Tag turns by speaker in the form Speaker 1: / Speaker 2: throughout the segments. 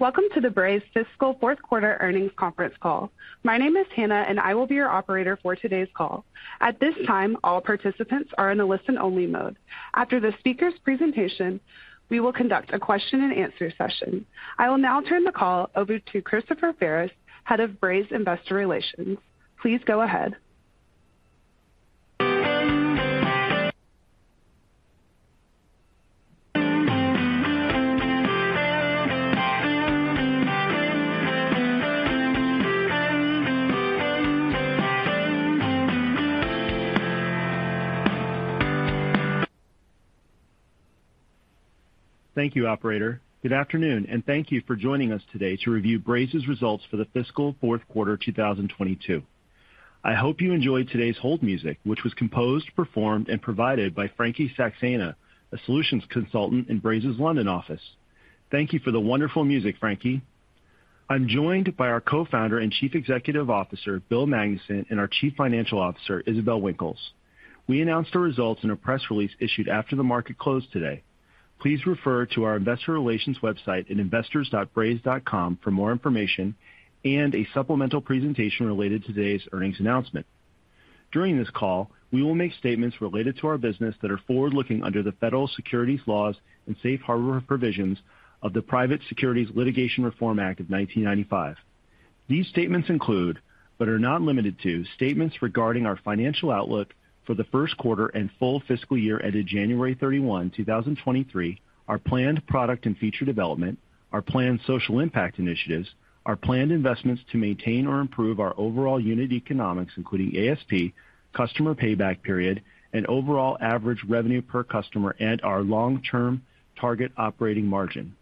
Speaker 1: Welcome to the Braze fiscal fourth quarter earnings conference call. My name is Hannah, and I will be your operator for today's call. At this time, all participants are in a listen-only mode. After the speaker's presentation, we will conduct a question-and-answer session. I will now turn the call over to Christopher Ferris, Head of Investor Relations, Braze. Please go ahead.
Speaker 2: Thank you, operator. Good afternoon, and thank you for joining us today to review Braze's results for the fiscal fourth quarter 2022. I hope you enjoyed today's hold music, which was composed, performed, and provided by Frankie Saxena, a solutions consultant in Braze's London office. Thank you for the wonderful music, Frankie. I'm joined by our co-founder and Chief Executive Officer, Bill Magnuson, and our Chief Financial Officer, Isabelle Winkles. We announced the results in a press release issued after the market closed today. Please refer to our investor relations website at investors.braze.com for more information and a supplemental presentation related to today's earnings announcement. During this call, we will make statements related to our business that are forward-looking under the federal securities laws and safe harbor provisions of the Private Securities Litigation Reform Act of 1995. These statements include, but are not limited to, statements regarding our financial outlook for the first quarter and full fiscal year ended January 31, 2023, our planned product and feature development, our planned social impact initiatives, our planned investments to maintain or improve our overall unit economics, including ASP, customer payback period, and overall average revenue per customer and our long-term target operating margin.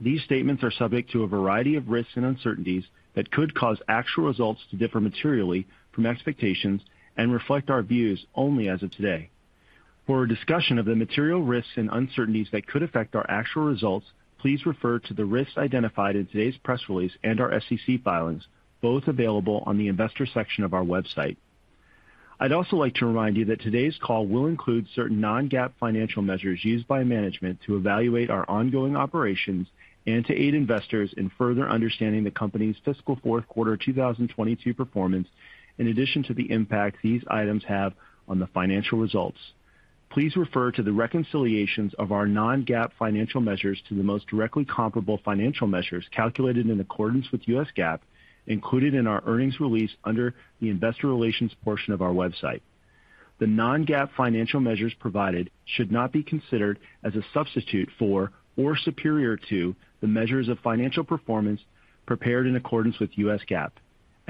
Speaker 2: These statements are subject to a variety of risks and uncertainties that could cause actual results to differ materially from expectations and reflect our views only as of today. For a discussion of the material risks and uncertainties that could affect our actual results, please refer to the risks identified in today's press release and our SEC filings, both available on the investor section of our website. I'd also like to remind you that today's call will include certain non-GAAP financial measures used by management to evaluate our ongoing operations and to aid investors in further understanding the company's fiscal fourth quarter 2022 performance in addition to the impact these items have on the financial results. Please refer to the reconciliations of our non-GAAP financial measures to the most directly comparable financial measures calculated in accordance with U.S. GAAP included in our earnings release under the investor relations portion of our website. The non-GAAP financial measures provided should not be considered as a substitute for or superior to the measures of financial performance prepared in accordance with U.S. GAAP.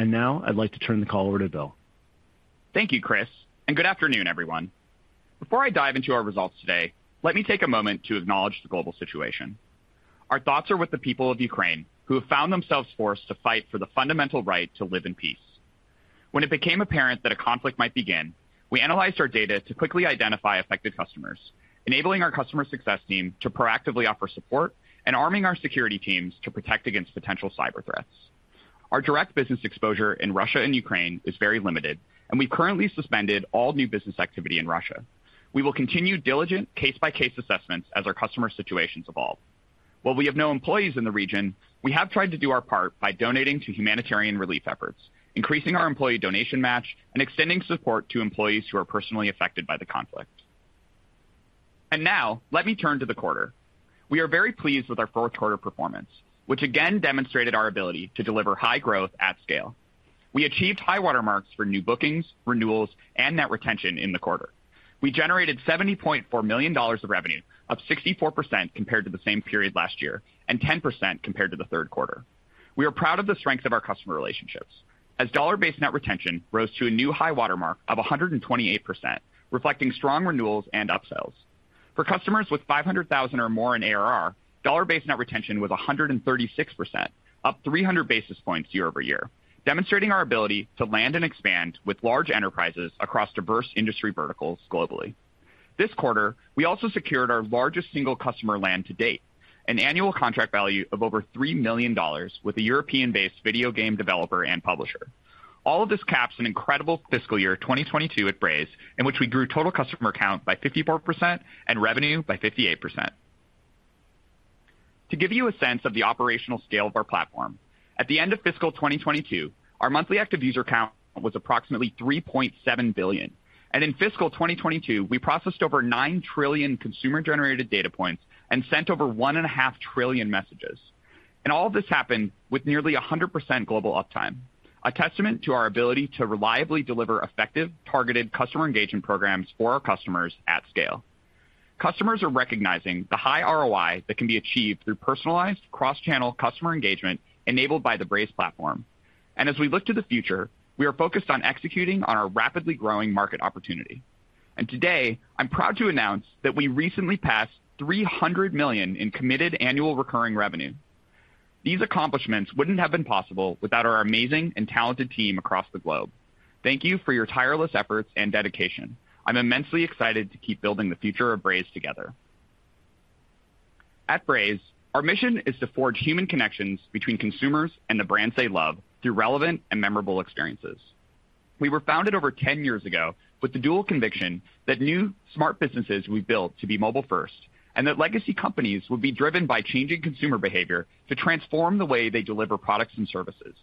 Speaker 2: Now I'd like to turn the call over to Bill.
Speaker 3: Thank you, Chris, and good afternoon, everyone. Before I dive into our results today, let me take a moment to acknowledge the global situation. Our thoughts are with the people of Ukraine who have found themselves forced to fight for the fundamental right to live in peace. When it became apparent that a conflict might begin, we analyzed our data to quickly identify affected customers, enabling our customer success team to proactively offer support and arming our security teams to protect against potential cyber threats. Our direct business exposure in Russia and Ukraine is very limited, and we currently suspended all new business activity in Russia. We will continue diligent case-by-case assessments as our customer situations evolve. While we have no employees in the region, we have tried to do our part by donating to humanitarian relief efforts, increasing our employee donation match, and extending support to employees who are personally affected by the conflict. Now let me turn to the quarter. We are very pleased with our fourth quarter performance, which again demonstrated our ability to deliver high growth at scale. We achieved high water marks for new bookings, renewals, and net retention in the quarter. We generated $70.4 million of revenue, up 64% compared to the same period last year and 10% compared to the third quarter. We are proud of the strength of our customer relationships as dollar-based net retention rose to a new high water mark of 128%, reflecting strong renewals and upsells. For customers with $500,000 or more in ARR, dollar-based net retention was 136%, up 300 basis points year-over-year, demonstrating our ability to land and expand with large enterprises across diverse industry verticals globally. This quarter, we also secured our largest single customer land to-date, an annual contract value of over $3 million with a European-based video game developer and publisher. All of this caps an incredible fiscal year 2022 at Braze in which we grew total customer count by 54% and revenue by 58%. To give you a sense of the operational scale of our platform, at the end of fiscal 2022, our monthly active user count was approximately 3.7 billion. In fiscal 2022, we processed over 9 trillion consumer-generated data points and sent over 1.5 trillion messages. All of this happened with nearly 100% global uptime, a testament to our ability to reliably deliver effective, targeted customer engagement programs for our customers at scale. Customers are recognizing the high ROI that can be achieved through personalized cross-channel customer engagement enabled by the Braze platform. As we look to the future, we are focused on executing on our rapidly growing market opportunity. Today, I'm proud to announce that we recently passed $300 million in committed annual recurring revenue. These accomplishments wouldn't have been possible without our amazing and talented team across the globe. Thank you for your tireless efforts and dedication. I'm immensely excited to keep building the future of Braze together. At Braze, our mission is to forge human connections between consumers and the brands they love through relevant and memorable experiences. We were founded over 10 years ago with the dual conviction that new smart businesses will be built to be mobile first, and that legacy companies will be driven by changing consumer behavior to transform the way they deliver products and services.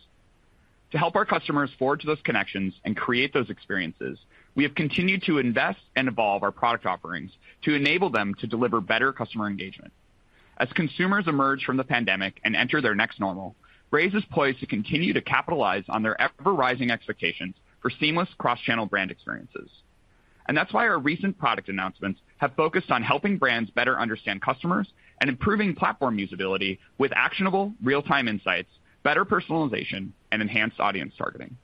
Speaker 3: To help our customers forge those connections and create those experiences, we have continued to invest and evolve our product offerings to enable them to deliver better customer engagement. As consumers emerge from the pandemic and enter their next normal, Braze is poised to continue to capitalize on their ever-rising expectations for seamless cross-channel brand experiences. That's why our recent product announcements have focused on helping brands better understand customers and improving platform usability with actionable real-time insights, better personalization, and enhanced audience targeting.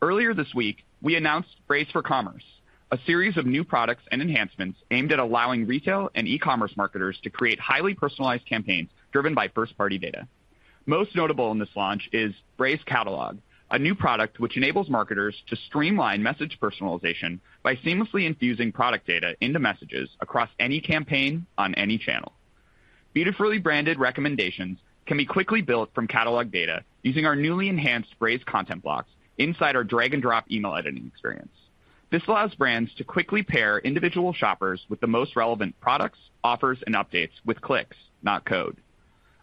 Speaker 3: Earlier this week, we announced Braze for Commerce, a series of new products and enhancements aimed at allowing retail and e-commerce marketers to create highly personalized campaigns driven by first-party data. Most notable in this launch is Braze Catalog, a new product which enables marketers to streamline message personalization by seamlessly infusing product data into messages across any campaign on any channel. Beautifully branded recommendations can be quickly built from catalog data using our newly enhanced Braze Content Blocks inside our drag-and-drop email editing experience. This allows brands to quickly pair individual shoppers with the most relevant products, offers, and updates with clicks, not code.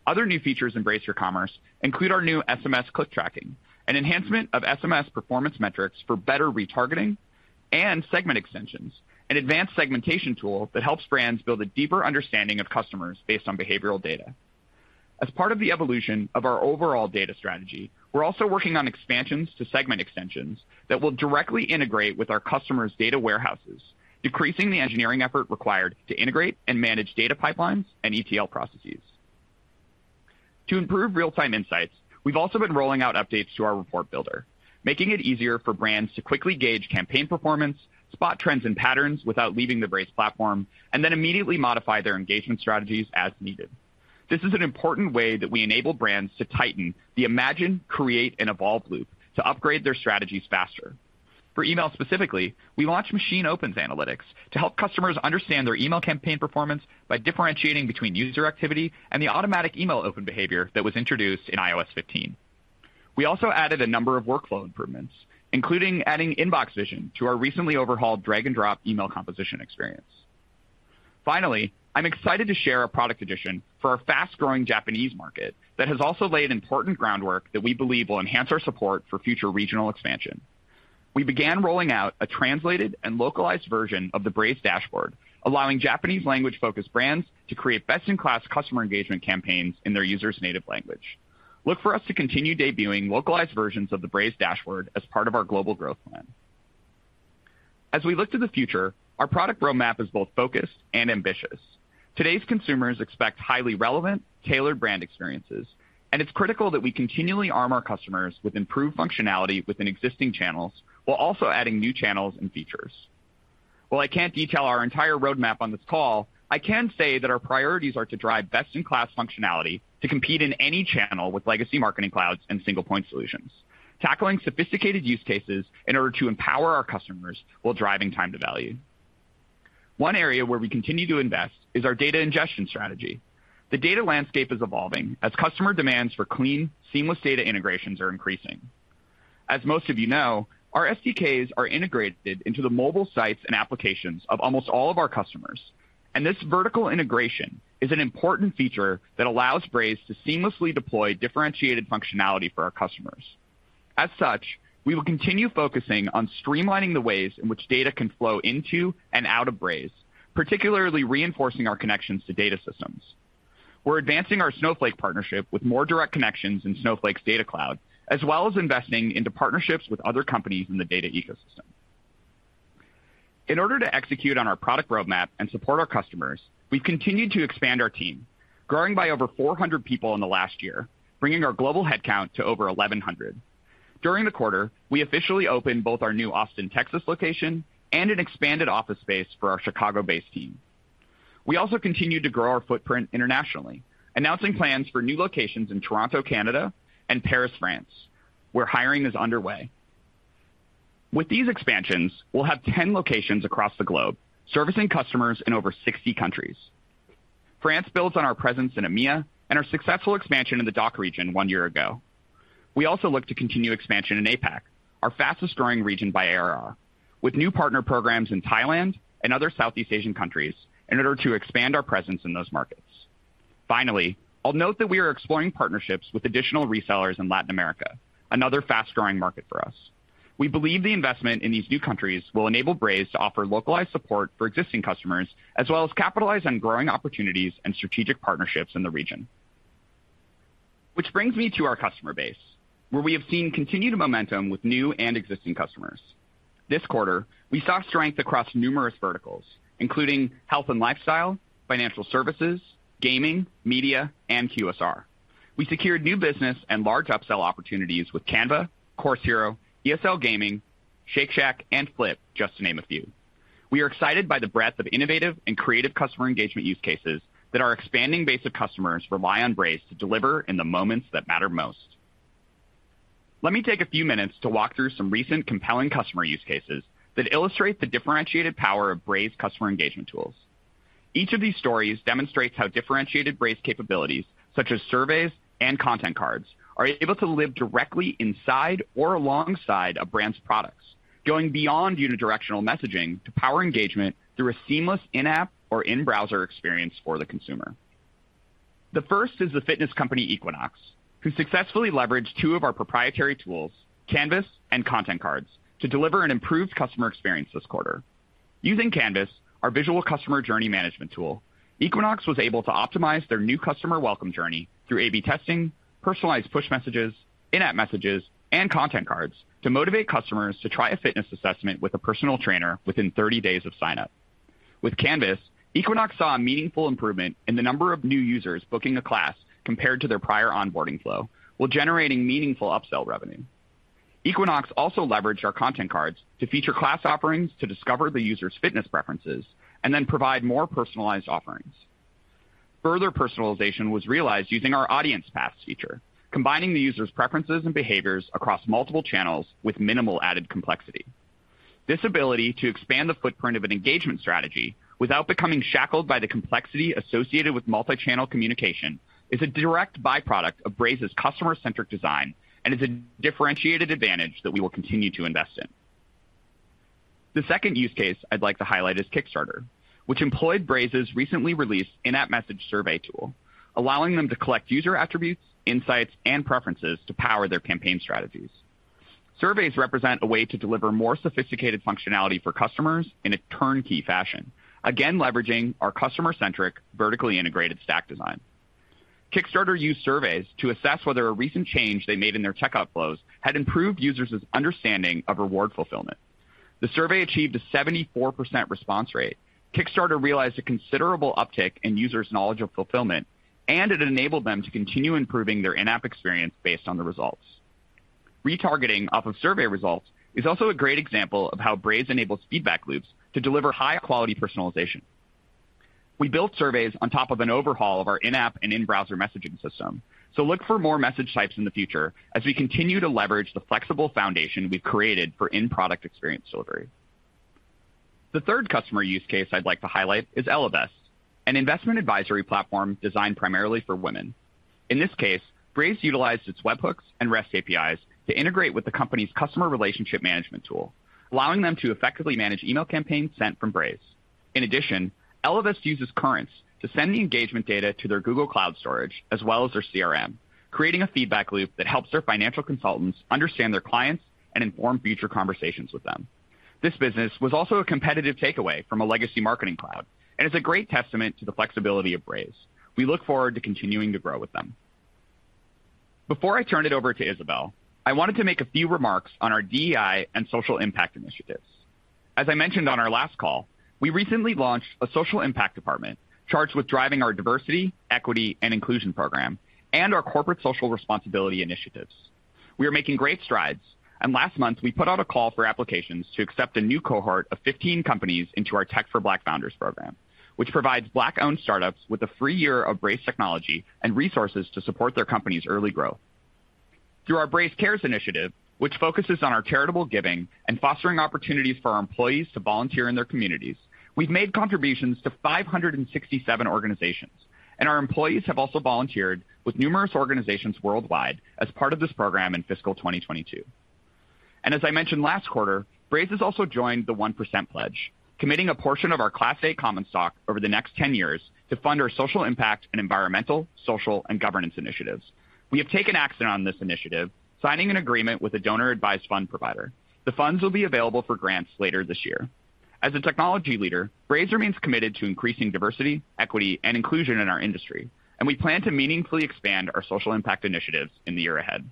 Speaker 3: Other new features in Braze for Commerce include our new SMS click tracking, an enhancement of SMS performance metrics for better retargeting and Segment Extensions, an advanced segmentation tool that helps brands build a deeper understanding of customers based on behavioral data. As part of the evolution of our overall data strategy, we're also working on expansions to Segment Extensions that will directly integrate with our customers' data warehouses, decreasing the engineering effort required to integrate and manage data pipelines and ETL processes. To improve real-time insights, we've also been rolling out updates to our Report Builder, making it easier for brands to quickly gauge campaign performance, spot trends and patterns without leaving the Braze platform, and then immediately modify their engagement strategies as needed. This is an important way that we enable brands to tighten the imagine, create, and evolve loop to upgrade their strategies faster. For email specifically, we launched Machine Opens analytics to help customers understand their email campaign performance by differentiating between user activity and the automatic email open behavior that was introduced in iOS 15. We also added a number of workflow improvements, including adding Inbox Vision to our recently overhauled drag-and-drop email composition experience. Finally, I'm excited to share a product addition for our fast-growing Japanese market that has also laid important groundwork that we believe will enhance our support for future regional expansion. We began rolling out a translated and localized version of the Braze dashboard, allowing Japanese language-focused brands to create best-in-class customer engagement campaigns in their users' native language. Look for us to continue debuting localized versions of the Braze dashboard as part of our global growth plan. As we look to the future, our product roadmap is both focused and ambitious. Today's consumers expect highly relevant, tailored brand experiences, and it's critical that we continually arm our customers with improved functionality within existing channels while also adding new channels and features. While I can't detail our entire roadmap on this call, I can say that our priorities are to drive best-in-class functionality to compete in any channel with legacy marketing clouds and single-point solutions, tackling sophisticated use cases in order to empower our customers while driving time to value. One area where we continue to invest is our data ingestion strategy. The data landscape is evolving as customer demands for clean, seamless data integrations are increasing. As most of you know, our SDKs are integrated into the mobile sites and applications of almost all of our customers, and this vertical integration is an important feature that allows Braze to seamlessly deploy differentiated functionality for our customers. As such, we will continue focusing on streamlining the ways in which data can flow into and out of Braze, particularly reinforcing our connections to data systems. We're advancing our Snowflake partnership with more direct connections in Snowflake's data cloud, as well as investing into partnerships with other companies in the data ecosystem. In order to execute on our product roadmap and support our customers, we've continued to expand our team, growing by over 400 people in the last year, bringing our global headcount to over 1,100. During the quarter, we officially opened both our new Austin, Texas, location and an expanded office space for our Chicago-based team. We also continued to grow our footprint internationally, announcing plans for new locations in Toronto, Canada, and Paris, France, where hiring is underway. With these expansions, we'll have 10 locations across the globe, servicing customers in over 60 countries. France builds on our presence in EMEA and our successful expansion in the DACH region one year ago. We also look to continue expansion in APAC, our fastest-growing region by ARR, with new partner programs in Thailand and other Southeast Asian countries in order to expand our presence in those markets. Finally, I'll note that we are exploring partnerships with additional resellers in Latin America, another fast-growing market for us. We believe the investment in these new countries will enable Braze to offer localized support for existing customers, as well as capitalize on growing opportunities and strategic partnerships in the region. Which brings me to our customer base, where we have seen continued momentum with new and existing customers. This quarter, we saw strength across numerous verticals, including health and lifestyle, financial services, gaming, media, and QSR. We secured new business and large upsell opportunities with Canva, Course Hero, ESL Gaming, Shake Shack, and Flip, just to name a few. We are excited by the breadth of innovative and creative customer engagement use cases that our expanding base of customers rely on Braze to deliver in the moments that matter most. Let me take a few minutes to walk through some recent compelling customer use cases that illustrate the differentiated power of Braze customer engagement tools. Each of these stories demonstrates how differentiated Braze capabilities, such as surveys and Content Cards, are able to live directly inside or alongside a brand's products, going beyond unidirectional messaging to power engagement through a seamless in-app or in-browser experience for the consumer. The first is the fitness company Equinox, who successfully leveraged two of our proprietary tools, Canvas and Content Cards, to deliver an improved customer experience this quarter. Using Canvas, our visual customer journey management tool, Equinox was able to optimize their new customer welcome journey through A/B testing, personalized push messages, in-app messages, and Content Cards to motivate customers to try a fitness assessment with a personal trainer within 30 days of sign-up. With Canvas, Equinox saw a meaningful improvement in the number of new users booking a class compared to their prior onboarding flow, while generating meaningful upsell revenue. Equinox also leveraged our Content Cards to feature class offerings to discover the user's fitness preferences and then provide more personalized offerings. Further personalization was realized using our Audience Paths feature, combining the user's preferences and behaviors across multiple channels with minimal added complexity. This ability to expand the footprint of an engagement strategy without becoming shackled by the complexity associated with multi-channel communication is a direct byproduct of Braze's customer-centric design and is a differentiated advantage that we will continue to invest in. The second use case I'd like to highlight is Kickstarter, which employed Braze's recently released in-app message survey tool, allowing them to collect user attributes, insights, and preferences to power their campaign strategies. Surveys represent a way to deliver more sophisticated functionality for customers in a turnkey fashion. Again, leveraging our customer-centric, vertically integrated stack design. Kickstarter used surveys to assess whether a recent change they made in their checkout flows had improved users' understanding of reward fulfillment. The survey achieved a 74% response rate. Kickstarter realized a considerable uptick in users' knowledge of fulfillment, and it enabled them to continue improving their in-app experience based on the results. Retargeting off of survey results is also a great example of how Braze enables feedback loops to deliver high-quality personalization. We built surveys on top of an overhaul of our in-app and in-browser messaging system. Look for more message types in the future as we continue to leverage the flexible foundation we've created for in-product experience delivery. The third customer use case I'd like to highlight is Ellevest, an investment advisory platform designed primarily for women. In this case, Braze utilized its webhooks and REST APIs to integrate with the company's customer relationship management tool, allowing them to effectively manage email campaigns sent from Braze. In addition, Ellevest uses Currents to send the engagement data to their Google Cloud Storage as well as their CRM, creating a feedback loop that helps their financial consultants understand their clients and inform future conversations with them. This business was also a competitive takeaway from a legacy marketing cloud and is a great testament to the flexibility of Braze. We look forward to continuing to grow with them. Before I turn it over to Isabelle, I wanted to make a few remarks on our DEI and social impact initiatives. As I mentioned on our last call, we recently launched a social impact department charged with driving our diversity, equity, and inclusion program and our corporate social responsibility initiatives. We are making great strides, and last month, we put out a call for applications to accept a new cohort of 15 companies into our Tech for Black Founders program, which provides Black-owned startups with a free year of Braze technology and resources to support their company's early growth. Through our Braze Cares initiative, which focuses on our charitable giving and fostering opportunities for our employees to volunteer in their communities, we've made contributions to 567 organizations, and our employees have also volunteered with numerous organizations worldwide as part of this program in fiscal 2022. As I mentioned last quarter, Braze has also joined the Pledge 1%, committing a portion of our Class A common stock over the next 10 years to fund our social impact and environmental, social, and governance initiatives. We have taken action on this initiative, signing an agreement with a donor-advised fund provider. The funds will be available for grants later this year. As a technology leader, Braze remains committed to increasing diversity, equity, and inclusion in our industry, and we plan to meaningfully expand our social impact initiatives in the year ahead.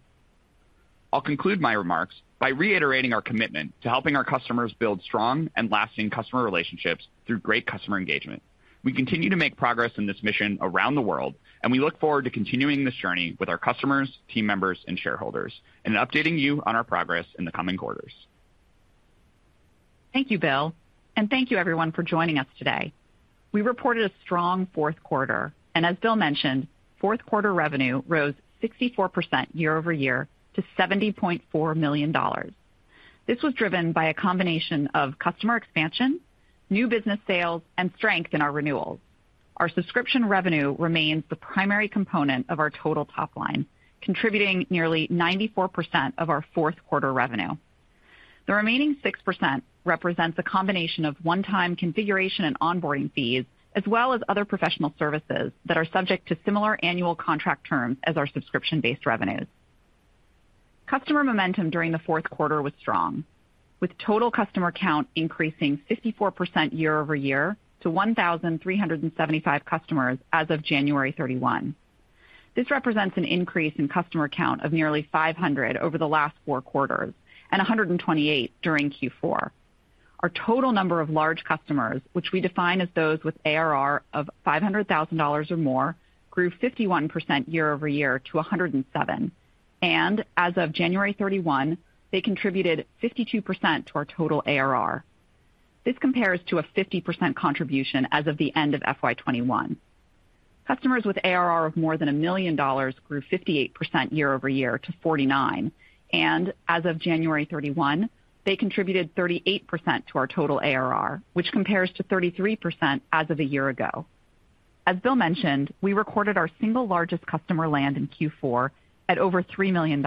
Speaker 3: I'll conclude my remarks by reiterating our commitment to helping our customers build strong and lasting customer relationships through great customer engagement. We continue to make progress in this mission around the world, and we look forward to continuing this journey with our customers, team members, and shareholders, and updating you on our progress in the coming quarters.
Speaker 4: Thank you, Bill. Thank you everyone for joining us today. We reported a strong fourth quarter, and as Bill mentioned, fourth quarter revenue rose 64% year-over-year to $70.4 million. This was driven by a combination of customer expansion, new business sales, and strength in our renewals. Our subscription revenue remains the primary component of our total top line, contributing nearly 94% of our fourth quarter revenue. The remaining 6% represents a combination of one-time configuration and onboarding fees, as well as other professional services that are subject to similar annual contract terms as our subscription-based revenues. Customer momentum during the fourth quarter was strong, with total customer count increasing 54% year-over-year to 1,375 customers as of January 31. This represents an increase in customer count of nearly 500 over the last four quarters and 128 during Q4. Our total number of large customers, which we define as those with ARR of $500,000 or more, grew 51% year-over-year to 107%. As of January 31, they contributed 52% to our total ARR. This compares to a 50% contribution as of the end of FY 2021. Customers with ARR of more than $1 million grew 58% year-over-year to 49%, and as of January 31, they contributed 38% to our total ARR, which compares to 33% as of a year ago. As Bill mentioned, we recorded our single largest customer land in Q4 at over $3 million,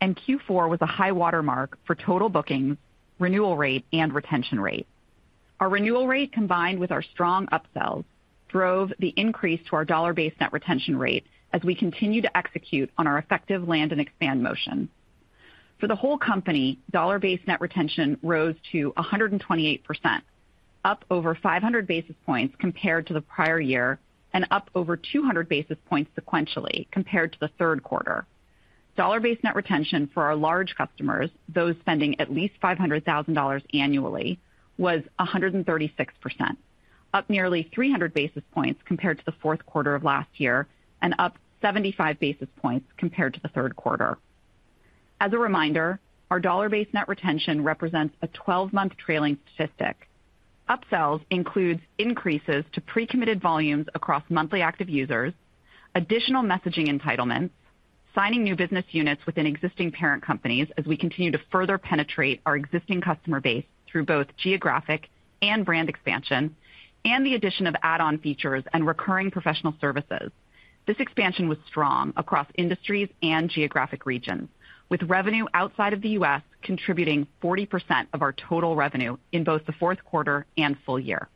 Speaker 4: and Q4 was a high watermark for total bookings, renewal rate, and retention rate. Our renewal rate, combined with our strong upsells, drove the increase to our dollar-based net retention rate as we continue to execute on our effective land and expand motion. For the whole company, dollar-based net retention rose to 128%, up over 500 basis points compared to the prior year and up over 200 basis points sequentially compared to the third quarter. Dollar-based net retention for our large customers, those spending at least $500,000 annually, was 136%, up nearly 300 basis points compared to the fourth quarter of last year and up 75 basis points compared to the third quarter. As a reminder, our dollar-based net retention represents a 12-month trailing statistic. Upsells includes increases to pre-committed volumes across monthly active users, additional messaging entitlements, signing new business units within existing parent companies as we continue to further penetrate our existing customer base through both geographic and brand expansion, and the addition of add-on features and recurring professional services. This expansion was strong across industries and geographic regions, with revenue outside of the U.S. contributing 40% of our total revenue in both the fourth quarter and full year.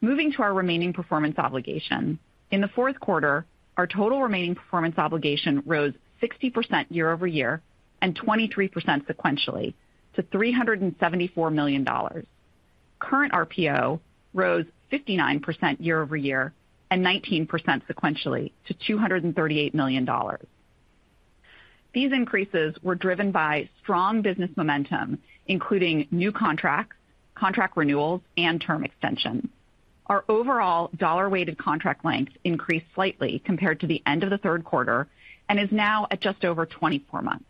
Speaker 4: Moving to our remaining performance obligation. In the fourth quarter, our total remaining performance obligation rose 60% year-over-year and 23% sequentially to $374 million. Current RPO rose 59% year-over-year and 19% sequentially to $238 million. These increases were driven by strong business momentum, including new contracts, contract renewals, and term extensions. Our overall dollar-weighted contract length increased slightly compared to the end of the third quarter and is now at just over 24 months.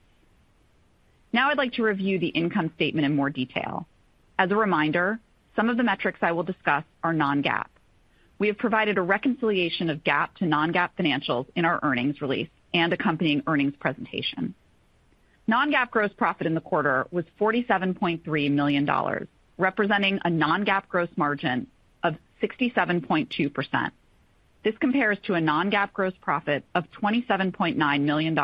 Speaker 4: Now I'd like to review the income statement in more detail. As a reminder, some of the metrics I will discuss are non-GAAP. We have provided a reconciliation of GAAP to non-GAAP financials in our earnings release and accompanying earnings presentation. Non-GAAP gross profit in the quarter was $47.3 million, representing a non-GAAP gross margin of 67.2%. This compares to a non-GAAP gross profit of $27.9 million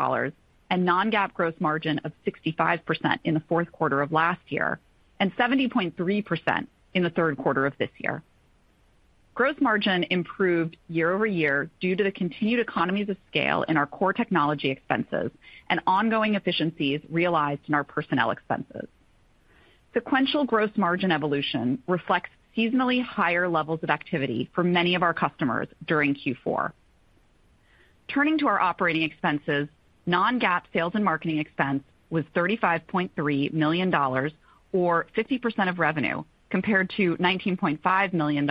Speaker 4: and non-GAAP gross margin of 65% in the fourth quarter of last year, and 70.3% in the third quarter of this year. Gross margin improved year-over-year due to the continued economies of scale in our core technology expenses and ongoing efficiencies realized in our personnel expenses. Sequential gross margin evolution reflects seasonally higher levels of activity for many of our customers during Q4. Turning to our operating expenses, non-GAAP sales and marketing expense was $35.3 million or 50% of revenue, compared to $19.5 million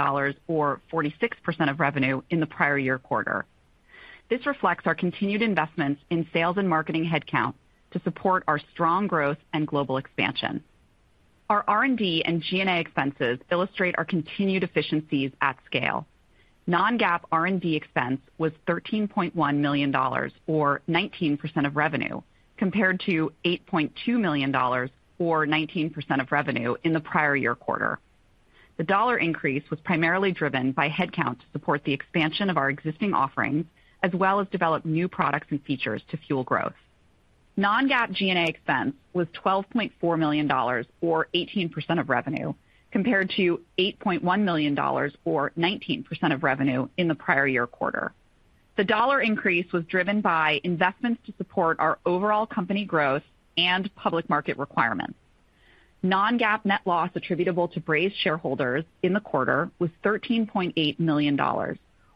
Speaker 4: or 46% of revenue in the prior year quarter. This reflects our continued investments in sales and marketing headcount to support our strong growth and global expansion. Our R&D and G&A expenses illustrate our continued efficiencies at scale. Non-GAAP R&D expense was $13.1 million or 19% of revenue, compared to $8.2 million or 19% of revenue in the prior year quarter. The dollar increase was primarily driven by headcount to support the expansion of our existing offerings, as well as develop new products and features to fuel growth. Non-GAAP G&A expense was $12.4 million or 18% of revenue, compared to $8.1 million or 19% of revenue in the prior year quarter. The dollar increase was driven by investments to support our overall company growth and public market requirements. Non-GAAP net loss attributable to Braze shareholders in the quarter was $13.8 million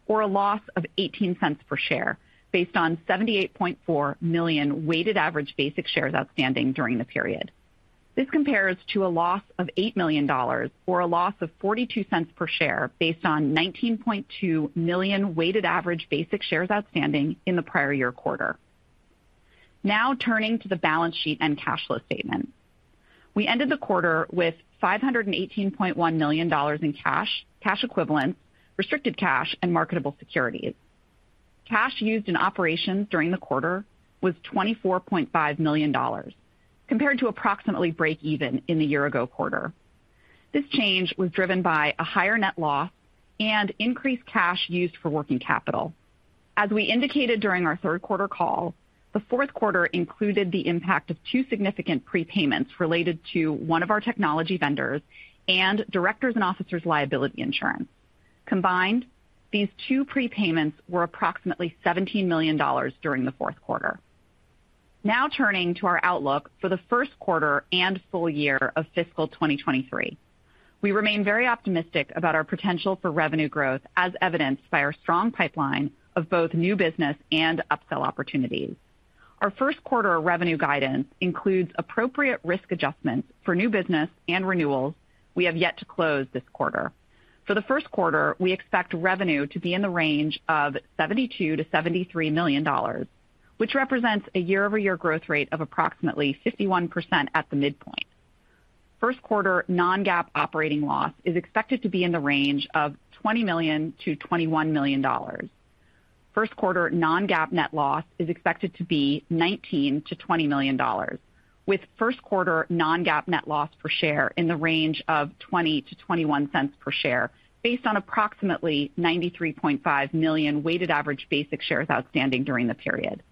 Speaker 4: or a loss of $0.18 per share based on 78.4 million weighted average basic shares outstanding during the period. This compares to a loss of $8 million or a loss of $0.42 per share based on 19.2 million weighted average basic shares outstanding in the prior year quarter. Now turning to the balance sheet and cash flow statement. We ended the quarter with $518.1 million in cash equivalents, restricted cash and marketable securities. Cash used in operations during the quarter was $24.5 million compared to approximately break even in the year-ago quarter. This change was driven by a higher net loss and increased cash used for working capital. As we indicated during our third quarter call, the fourth quarter included the impact of two significant prepayments related to one of our technology vendors and directors' and officers' liability insurance. Combined, these two prepayments were approximately $17 million during the fourth quarter. Now turning to our outlook for the first quarter and full year of fiscal 2023. We remain very optimistic about our potential for revenue growth as evidenced by our strong pipeline of both new business and upsell opportunities. Our first quarter revenue guidance includes appropriate risk adjustments for new business and renewals we have yet to close this quarter. For the first quarter, we expect revenue to be in the range of $72 million-$73 million, which represents a year-over-year growth rate of approximately 51% at the midpoint. First quarter non-GAAP operating loss is expected to be in the range of $20 million-$21 million. First quarter non-GAAP net loss is expected to be $19 million-$20 million, with first quarter non-GAAP net loss per share in the range of $0.20-$0.21 per share based on approximately 93.5 million weighted average basic shares outstanding during the period.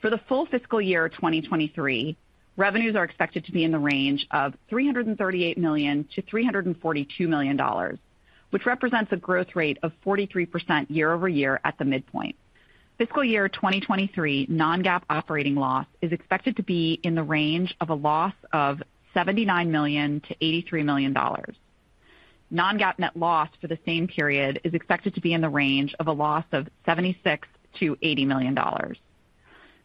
Speaker 4: For the full fiscal year 2023, revenues are expected to be in the range of $338 million-$342 million, which represents a growth rate of 43% year-over-year at the midpoint. Fiscal year 2023 non-GAAP operating loss is expected to be in the range of a loss of $79 million-$83 million. Non-GAAP net loss for the same period is expected to be in the range of a loss of $76 million-$80 million.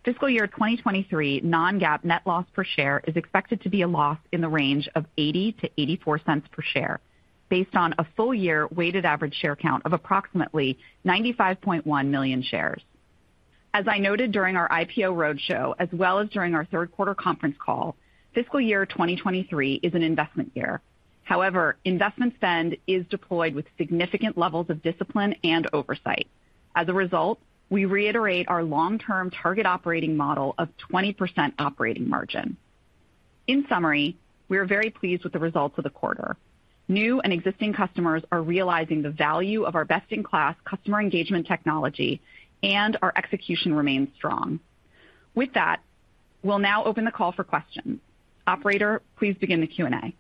Speaker 4: Fiscal year 2023 non-GAAP net loss per share is expected to be a loss in the range of $0.80-$0.84 per share based on a full year weighted average share count of approximately 95.1 million shares. As I noted during our IPO roadshow, as well as during our third quarter conference call, fiscal year 2023 is an investment year. However, investment spend is deployed with significant levels of discipline and oversight. As a result, we reiterate our long-term target operating model of 20% operating margin. In summary, we are very pleased with the results of the quarter. New and existing customers are realizing the value of our best-in-class customer engagement technology, and our execution remains strong. With that, we'll now open the call for questions. Operator, please begin the Q&A.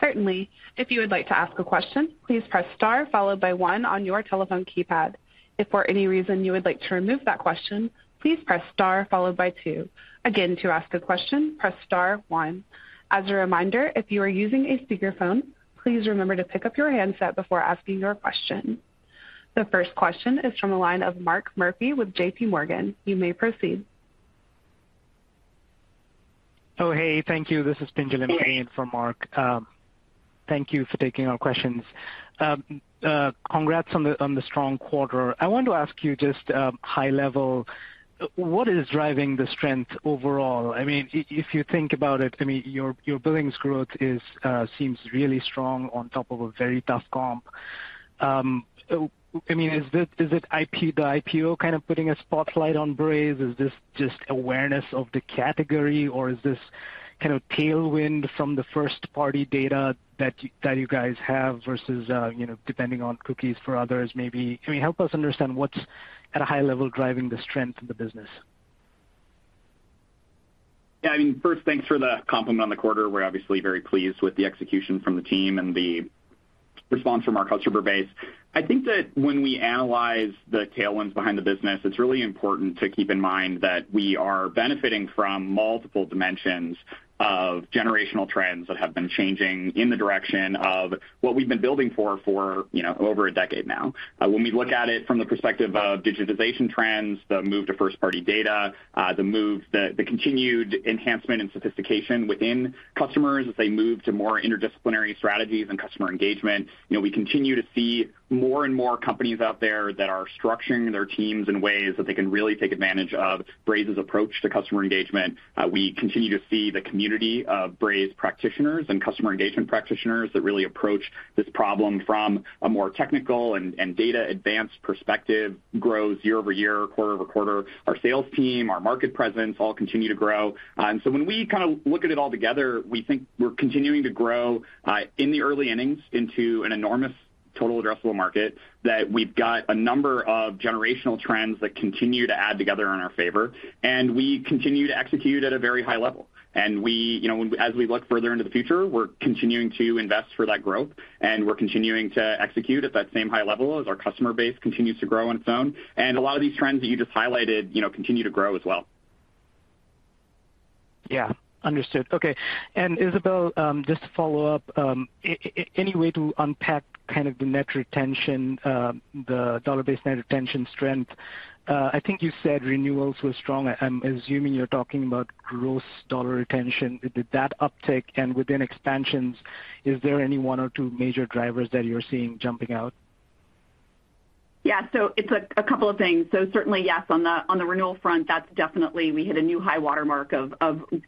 Speaker 1: Certainly. If you would like to ask a question please press star followed by one on your telephone keypad. If for any reasons you would like to withdraw your question, please press star followed by two. Again if you would like to ask a question press star one. As a reminder if you're using a speaker phone, please remember to pick up your handset before asking your question. The first question is from the line of Yun Kim with J.P. Morgan. You may proceed.
Speaker 5: Thank you. This is Pinjalim again for Mark. Thank you for taking our questions. Congrats on the strong quarter. I want to ask you just high level, what is driving the strength overall? If you think about it your billings growth seems really strong on top of a very tough comp. Is it the IPO kind of putting a spotlight on Braze? Is this just awareness of the category, or is this tailwind from the first-party data that you guys have versus, depending on cookies for others maybe? I mean, help us understand what's at a high level driving the strength of the business.
Speaker 3: Yeah, first, thanks for the compliment on the quarter. We're obviously very pleased with the execution from the team and the response from our customer base. I think that when we analyze the tailwinds behind the business, it's really important to keep in mind that we are benefiting from multiple dimensions of generational trends that have been changing in the direction of what we've been building forover a decade now. When we look at it from the perspective of digitization trends, the move to first-party data, the continued enhancement and sophistication within customers as they move to more interdisciplinary strategies and customer engagement. We continue to see more and more companies out there that are structuring their teams in ways that they can really take advantage of Braze's approach to customer engagement. We continue to see the community of Braze practitioners and customer engagement practitioners that really approach this problem from a more technical and data advanced perspective grows year-over-year, quarter-over-quarter. Our sales team, our market presence all continue to grow. When we kind of look at it all together, we think we're continuing to grow in the early innings into an enormous total addressable market that we've got a number of generational trends that continue to add together in our favor, and we continue to execute at a very high level. We, you know, as we look further into the future, we're continuing to invest for that growth, and we're continuing to execute at that same high level as our customer base continues to grow on its own. A lot of these trends that you just highlighted, you know, continue to grow as well.
Speaker 5: Yeah. Understood. Okay. Isabelle, just to follow up, any way to unpack kind of the net retention, the dollar-based net retention strength? I think you said renewals were strong. I'm assuming you're talking about gross dollar retention. Did that uptick? Within expansions, is there any one or two major drivers that you're seeing jumping out?
Speaker 4: Yeah. It's a couple of things. Certainly, yes, on the renewal front, that's definitely we hit a new high watermark of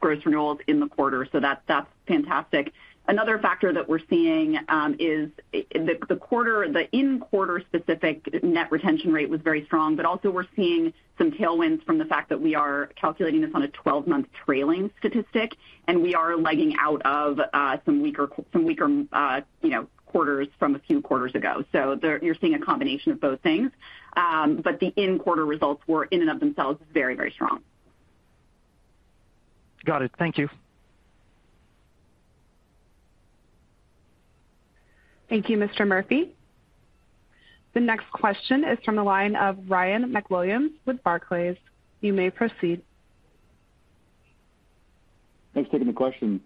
Speaker 4: gross renewals in the quarter. That's fantastic. Another factor that we're seeing is the in-quarter specific net retention rate was very strong. Also we're seeing some tailwinds from the fact that we are calculating this on a 12-month trailing statistic, and we are legging out of some weaker, you know, quarters from a few quarters ago. You're seeing a combination of both things. The in-quarter results were in and of themselves very, very strong.
Speaker 5: Got it. Thank you.
Speaker 1: Thank you, Mr. Pinjalim. The next question is from the line of Ryan MacWilliams with Barclays. You may proceed.
Speaker 6: Thanks for taking the question.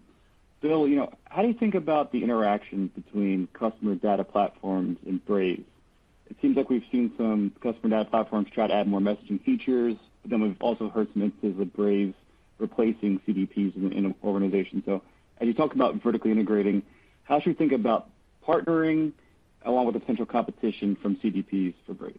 Speaker 6: Bill, you know, how do you think about the interactions between customer data platforms and Braze? It seems like we've seen some customer data platforms try to add more messaging features, but then we've also heard some instances of Braze replacing CDPs in an organization. As you talk about vertically integrating, how should we think about partnering along with the potential competition from CDPs for Braze?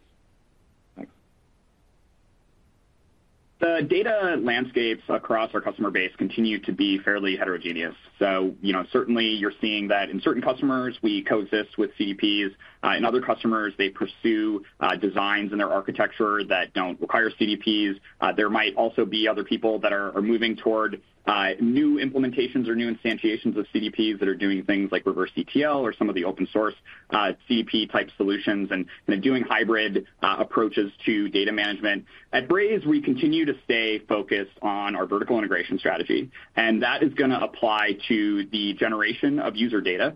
Speaker 3: The data landscapes across our customer base continue to be fairly heterogeneous. You know, certainly you're seeing that in certain customers, we coexist with CDPs. In other customers, they pursue designs in their architecture that don't require CDPs. There might also be other people that are moving toward new implementations or new instantiations of CDPs that are doing things like reverse ETL or some of the open source CDP-type solutions and doing hybrid approaches to data management. At Braze, we continue to stay focused on our vertical integration strategy, and that is gonna apply to the generation of user data,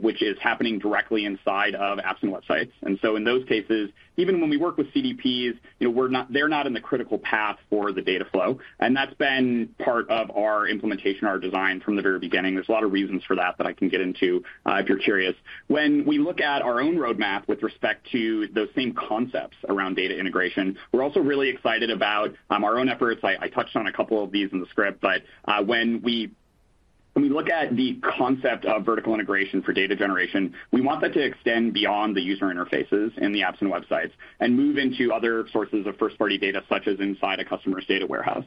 Speaker 3: which is happening directly inside of apps and websites. In those cases, even when we work with CDPs, you know, they're not in the critical path for the data flow, and that's been part of our implementation, our design from the very beginning. There's a lot of reasons for that I can get into, if you're curious. When we look at our own roadmap with respect to those same concepts around data integration, we're also really excited about our own efforts. I touched on a couple of these in the script, but when we look at the concept of vertical integration for data generation, we want that to extend beyond the user interfaces in the apps and websites and move into other sources of first-party data, such as inside a customer's data warehouse.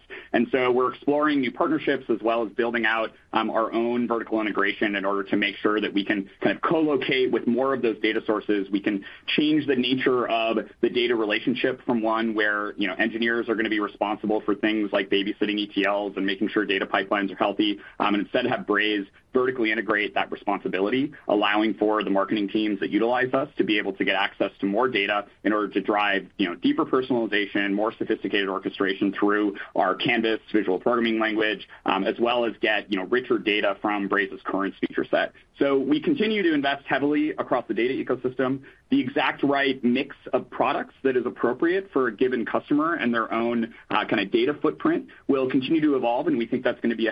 Speaker 3: We're exploring new partnerships as well as building out our own vertical integration in order to make sure that we can co-locate with more of those data sources. We can change the nature of the data relationship from one where, you know, engineers are gonna be responsible for things like babysitting ETLs and making sure data pipelines are healthy, and instead have Braze vertically integrate that responsibility, allowing for the marketing teams that utilize us to be able to get access to more data in order to drive, you know, deeper personalization, more sophisticated orchestration through our Canvas visual programming language, as well as get, you know, richer data from Braze's Currents feature set. We continue to invest heavily across the data ecosystem. The exact right mix of products that is appropriate for a given customer and their own, kind of data footprint will continue to evolve, and we think that's gonna be a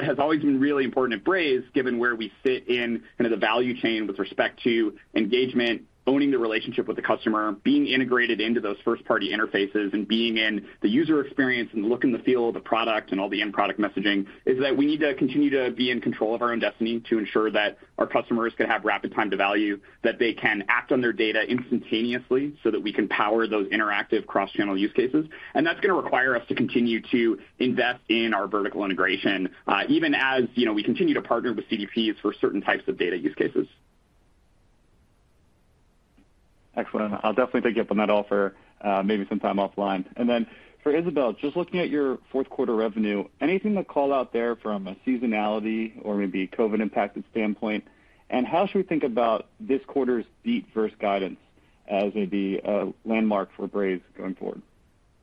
Speaker 3: heterogeneous landscape. What has always been really important at Braze, given where we sit in kind of the value chain with respect to engagement, owning the relationship with the customer, being integrated into those first-party interfaces, and being in the user experience and the look and the feel of the product and all the end product messaging, is that we need to continue to be in control of our own destiny to ensure that our customers can have rapid time to value, that they can act on their data instantaneously so that we can power those interactive cross-channel use cases. That's gonna require us to continue to invest in our vertical integration, even as, you know, we continue to partner with CDPs for certain types of data use cases.
Speaker 6: Excellent. I'll definitely take you up on that offer, maybe sometime offline. For Isabelle, just looking at your fourth quarter revenue, anything to call out there from a seasonality or maybe COVID impacted standpoint? How should we think about this quarter's beat first guidance as maybe a landmark for Braze going forward?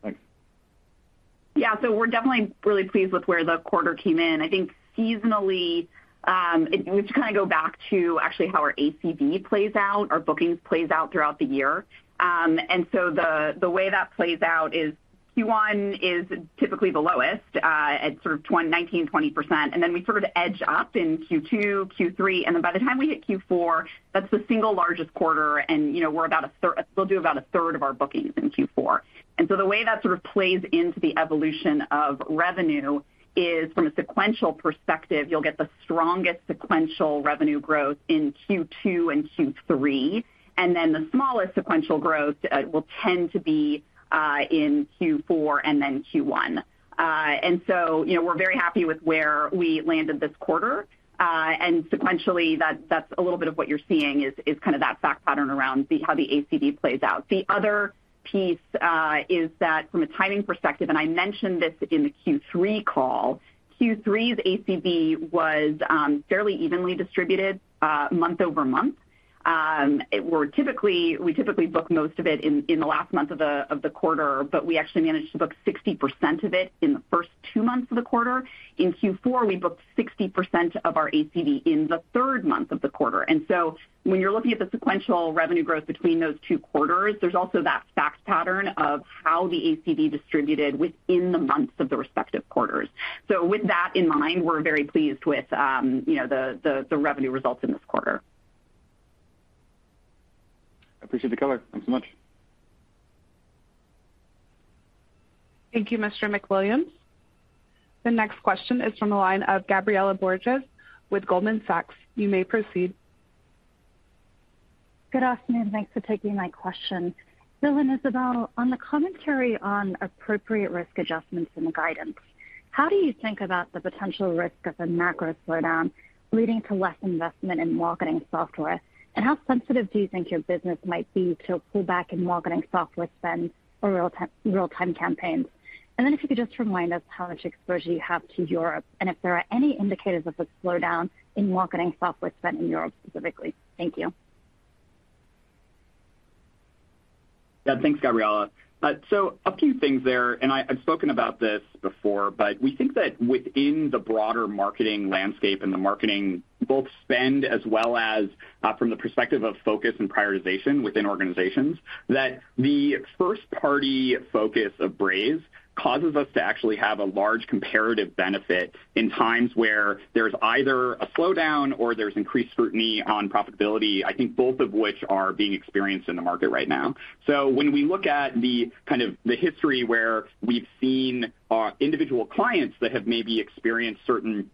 Speaker 6: Thanks.
Speaker 4: Yeah. We're definitely really pleased with where the quarter came in. I think seasonally, we have to kind of go back to actually how our ACB plays out, our bookings plays out throughout the year. The way that plays out is Q1 is typically the lowest at sort of 19%-20%, and then we sort of edge up in Q2, Q3, and then by the time we hit Q4, that's the single largest quarter and, you know, we'll do about a third of our bookings in Q4. The way that sort of plays into the evolution of revenue is from a sequential perspective, you'll get the strongest sequential revenue growth in Q2 and Q3, and then the smallest sequential growth will tend to be in Q4 and then Q1. You know, we're very happy with where we landed this quarter, and sequentially, that's a little bit of what you're seeing is kind of that fact pattern around how the ACB plays out. The other piece is that from a timing perspective, and I mentioned this in the Q3 call, Q3's ACB was fairly evenly distributed month-over-month. We typically book most of it in the last month of the quarter, but we actually managed to book 60% of it in the first two months of the quarter. In Q4, we booked 60% of our ACB in the third month of the quarter. When you're looking at the sequential revenue growth between those two quarters, there's also that fact pattern of how the ACB distributed within the months of the respective quarters. With that in mind, we're very pleased with, you know, the revenue results in this quarter.
Speaker 6: I appreciate the color. Thanks so much.
Speaker 1: Thank you, Mr. MacWilliams. The next question is from the line of Gabriela Borges with Goldman Sachs. You may proceed.
Speaker 7: Good afternoon. Thanks for taking my question. Bill and Isabelle, on the commentary on appropriate risk adjustments in the guidance, how do you think about the potential risk of a macro slowdown leading to less investment in marketing software? How sensitive do you think your business might be to a pullback in marketing software spend for real time, real-time campaigns? If you could just remind us how much exposure you have to Europe, and if there are any indicators of a slowdown in marketing software spend in Europe specifically. Thank you.
Speaker 3: Yeah. Thanks, Gabriela. A few things there, and I've spoken about this before, but we think that within the broader marketing landscape and the marketing both spend as well as from the perspective of focus and prioritization within organizations, that the first party focus of Braze causes us to actually have a large comparative benefit in times where there's either a slowdown or there's increased scrutiny on profitability, I think both of which are being experienced in the market right now. When we look at the kind of the history where we've seen our individual clients that have maybe experienced certain,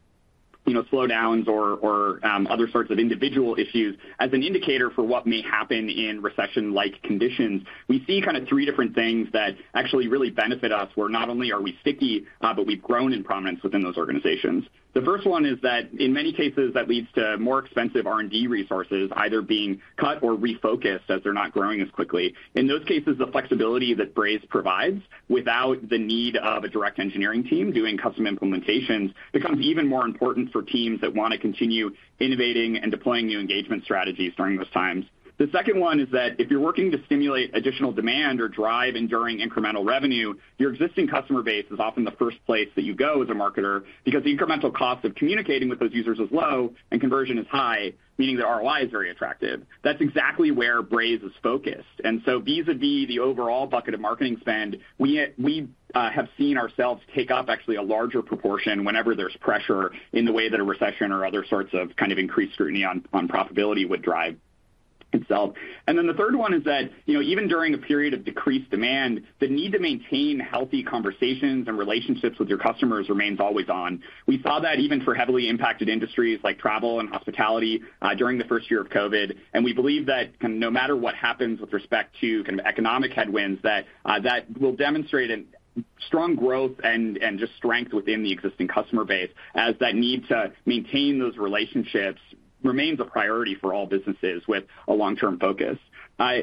Speaker 3: you know, slowdowns or other sorts of individual issues as an indicator for what may happen in recession-like conditions, we see kind of three different things that actually really benefit us, where not only are we sticky, but we've grown in prominence within those organizations. The first one is that in many cases, that leads to more expensive R&D resources either being cut or refocused as they're not growing as quickly. In those cases, the flexibility that Braze provides without the need of a direct engineering team doing custom implementations becomes even more important for teams that wanna continue innovating and deploying new engagement strategies during those times. The second one is that if you're working to stimulate additional demand or drive enduring incremental revenue, your existing customer base is often the first place that you go as a marketer because the incremental cost of communicating with those users is low and conversion is high, meaning the ROI is very attractive. That's exactly where Braze is focused. Vis-à-vis the overall bucket of marketing spend, we have seen ourselves take up actually a larger proportion whenever there's pressure in the way that a recession or other sorts of kind of increased scrutiny on profitability would drive itself. The third one is that, you know, even during a period of decreased demand, the need to maintain healthy conversations and relationships with your customers remains always on. We saw that even for heavily impacted industries like travel and hospitality during the first year of COVID, and we believe that no matter what happens with respect to economic headwinds, that will demonstrate a strong growth and just strength within the existing customer base as that need to maintain those relationships remains a priority for all businesses with a long-term focus.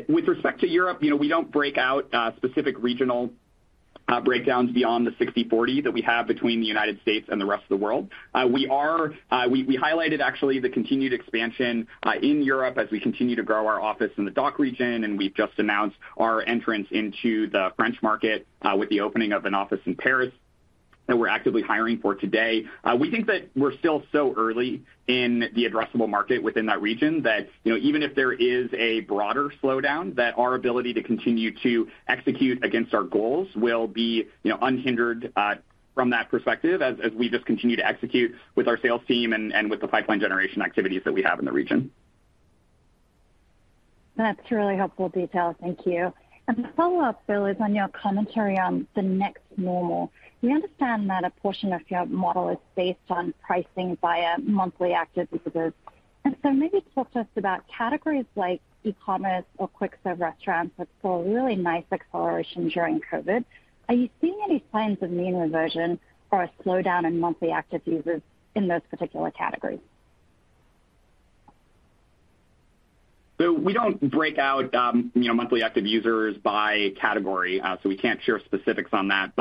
Speaker 3: With respect to Europe, you know, we don't break out specific regional breakdowns beyond the 60/40 that we have between the United States and the rest of the world. We highlighted actually the continued expansion in Europe as we continue to grow our office in the DACH region, and we've just announced our entrance into the French market with the opening of an office in Paris that we're actively hiring for today. We think that we're still so early in the addressable market within that region that, you know, even if there is a broader slowdown, that our ability to continue to execute against our goals will be, you know, unhindered, from that perspective as we just continue to execute with our sales team and with the pipeline generation activities that we have in the region.
Speaker 7: That's really helpful detail. Thank you. A follow-up, Bill, is on your commentary on the new normal. We understand that a portion of your model is based on pricing via monthly active users. Maybe talk to us about categories like e-commerce or quick serve restaurants that saw a really nice acceleration during COVID. Are you seeing any signs of mean reversion or a slowdown in monthly active users in those particular categories?
Speaker 3: We don't break out, you know, monthly active users by category, so we can't share specifics on that.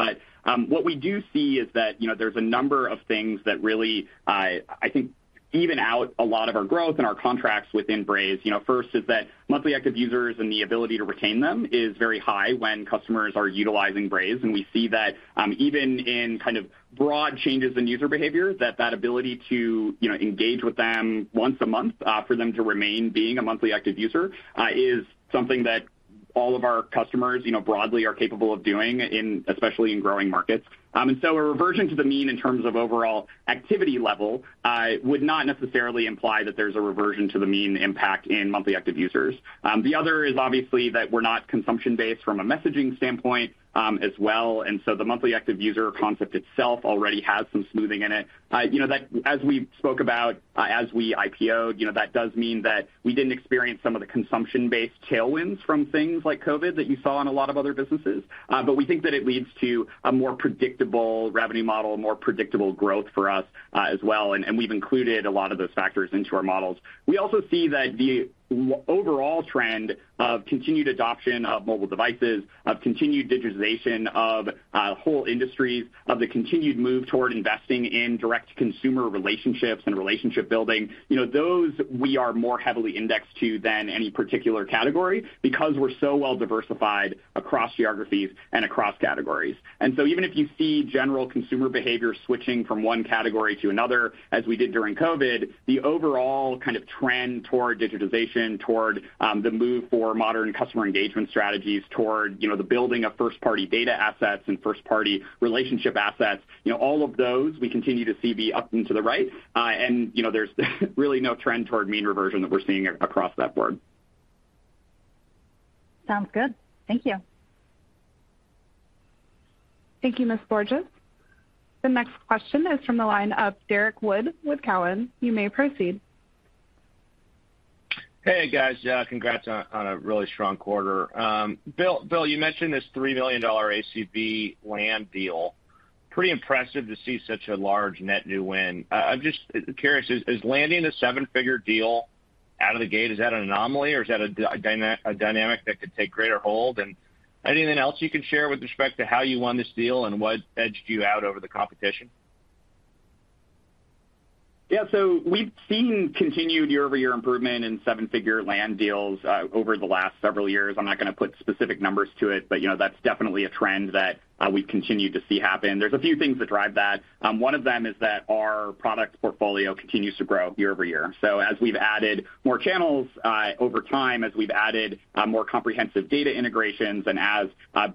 Speaker 3: What we do see is that, you know, there's a number of things that really, I think even out a lot of our growth and our contracts within Braze. You know, first is that monthly active users and the ability to retain them is very high when customers are utilizing Braze. We see that, even in kind of broad changes in user behavior, that ability to, you know, engage with them once a month, for them to remain being a monthly active user, is something that all of our customers, you know, broadly are capable of doing in, especially in growing markets. A reversion to the mean in terms of overall activity level would not necessarily imply that there's a reversion to the mean impact in monthly active users. The other is obviously that we're not consumption-based from a messaging standpoint, as well, and so the monthly active user concept itself already has some smoothing in it. You know, that as we spoke about, as we IPO'd, you know, that does mean that we didn't experience some of the consumption-based tailwinds from things like COVID that you saw in a lot of other businesses. We think that it leads to a more predictable revenue model, a more predictable growth for us, as well. We've included a lot of those factors into our models. We also see that the overall trend of continued adoption of mobile devices, of continued digitization of whole industries, of the continued move toward investing in direct consumer relationships and relationship building, you know, those we are more heavily indexed to than any particular category because we're so well diversified across geographies and across categories. Even if you see general consumer behavior switching from one category to another, as we did during COVID, the overall kind of trend toward digitization, toward the move for modern customer engagement strategies, toward, you know, the building of first-party data assets and first-party relationship assets, you know, all of those we continue to see be up and to the right. You know, there's really no trend toward mean reversion that we're seeing across the board.
Speaker 7: Sounds good. Thank you.
Speaker 1: Thank you, Ms. Borges. The next question is from the line of Derrick Wood with Cowen. You may proceed.
Speaker 8: Hey, guys. Yeah, congrats on a really strong quarter. Bill, you mentioned this $3 million ACV land deal. Pretty impressive to see such a large net new win. I'm just curious, is landing a seven-figure deal out of the gate an anomaly, or is that a dynamic that could take greater hold? Anything else you can share with respect to how you won this deal and what edged you out over the competition?
Speaker 3: Yeah. We've seen continued year-over-year improvement in seven-figure land deals over the last several years. I'm not gonna put specific numbers to it, but, you know, that's definitely a trend that we continue to see happen. There's a few things that drive that. One of them is that our product portfolio continues to grow year-over-year. As we've added more channels over time, as we've added more comprehensive data integrations and as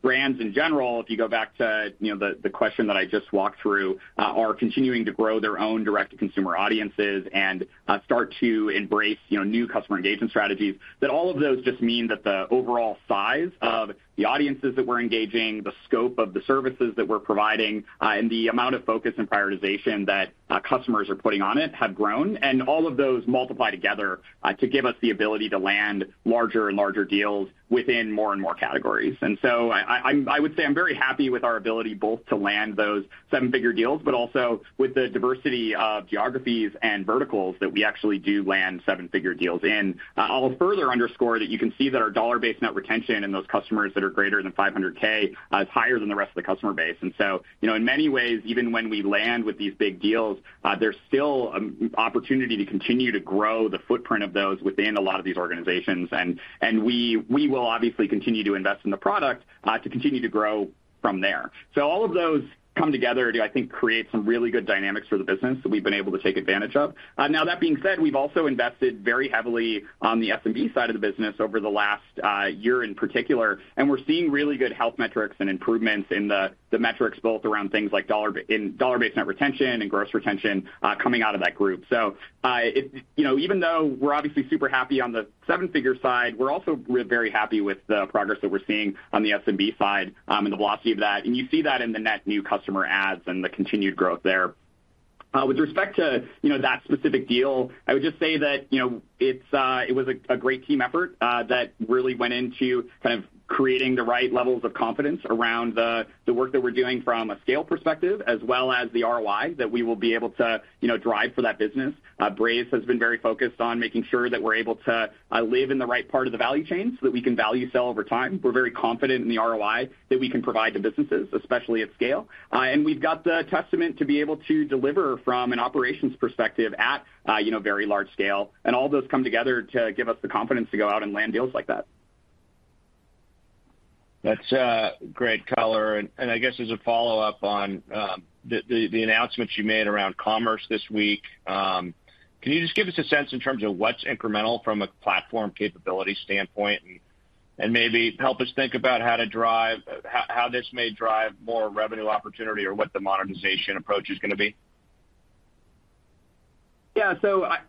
Speaker 3: brands in general, if you go back to you know the question that I just walked through, are continuing to grow their own direct-to-consumer audiences and start to embrace you know new customer engagement strategies, that all of those just mean that the overall size of the audiences that we're engaging, the scope of the services that we're providing, and the amount of focus and prioritization that customers are putting on it have grown. All of those multiply together to give us the ability to land larger and larger deals within more and more categories. I would say I'm very happy with our ability both to land those seven-figure deals, but also with the diversity of geographies and verticals that we actually do land seven-figure deals in. I'll further underscore that you can see that our dollar-based net retention in those customers that are greater than $500,000 is higher than the rest of the customer base. You know, in many ways, even when we land with these big deals, there's still an opportunity to continue to grow the footprint of those within a lot of these organizations. We will obviously continue to invest in the product to continue to grow from there. All of those come together to, I think, create some really good dynamics for the business that we've been able to take advantage of. Now that being said, we've also invested very heavily on the SMB side of the business over the last year in particular, and we're seeing really good health metrics and improvements in the metrics, both around things like dollar-based net retention and gross retention coming out of that group. You know, even though we're obviously super happy on the seven-figure side, we're also very happy with the progress that we're seeing on the SMB side, and the velocity of that. You see that in the net new customer adds and the continued growth there. With respect to, you know, that specific deal, I would just say that, you know, it was a great team effort that really went into kind of creating the right levels of confidence around the work that we're doing from a scale perspective as well as the ROI that we will be able to, you know, drive for that business. Braze has been very focused on making sure that we're able to live in the right part of the value chain so that we can value sell over time. We're very confident in the ROI that we can provide to businesses, especially at scale. We've got the testament to be able to deliver from an operations perspective at, you know, very large scale, and all those come together to give us the confidence to go out and land deals like that.
Speaker 8: That's great color. I guess as a follow-up on the announcement you made around commerce this week, can you just give us a sense in terms of what's incremental from a platform capability standpoint? Maybe help us think about how this may drive more revenue opportunity or what the monetization approach is gonna be.
Speaker 3: Yeah.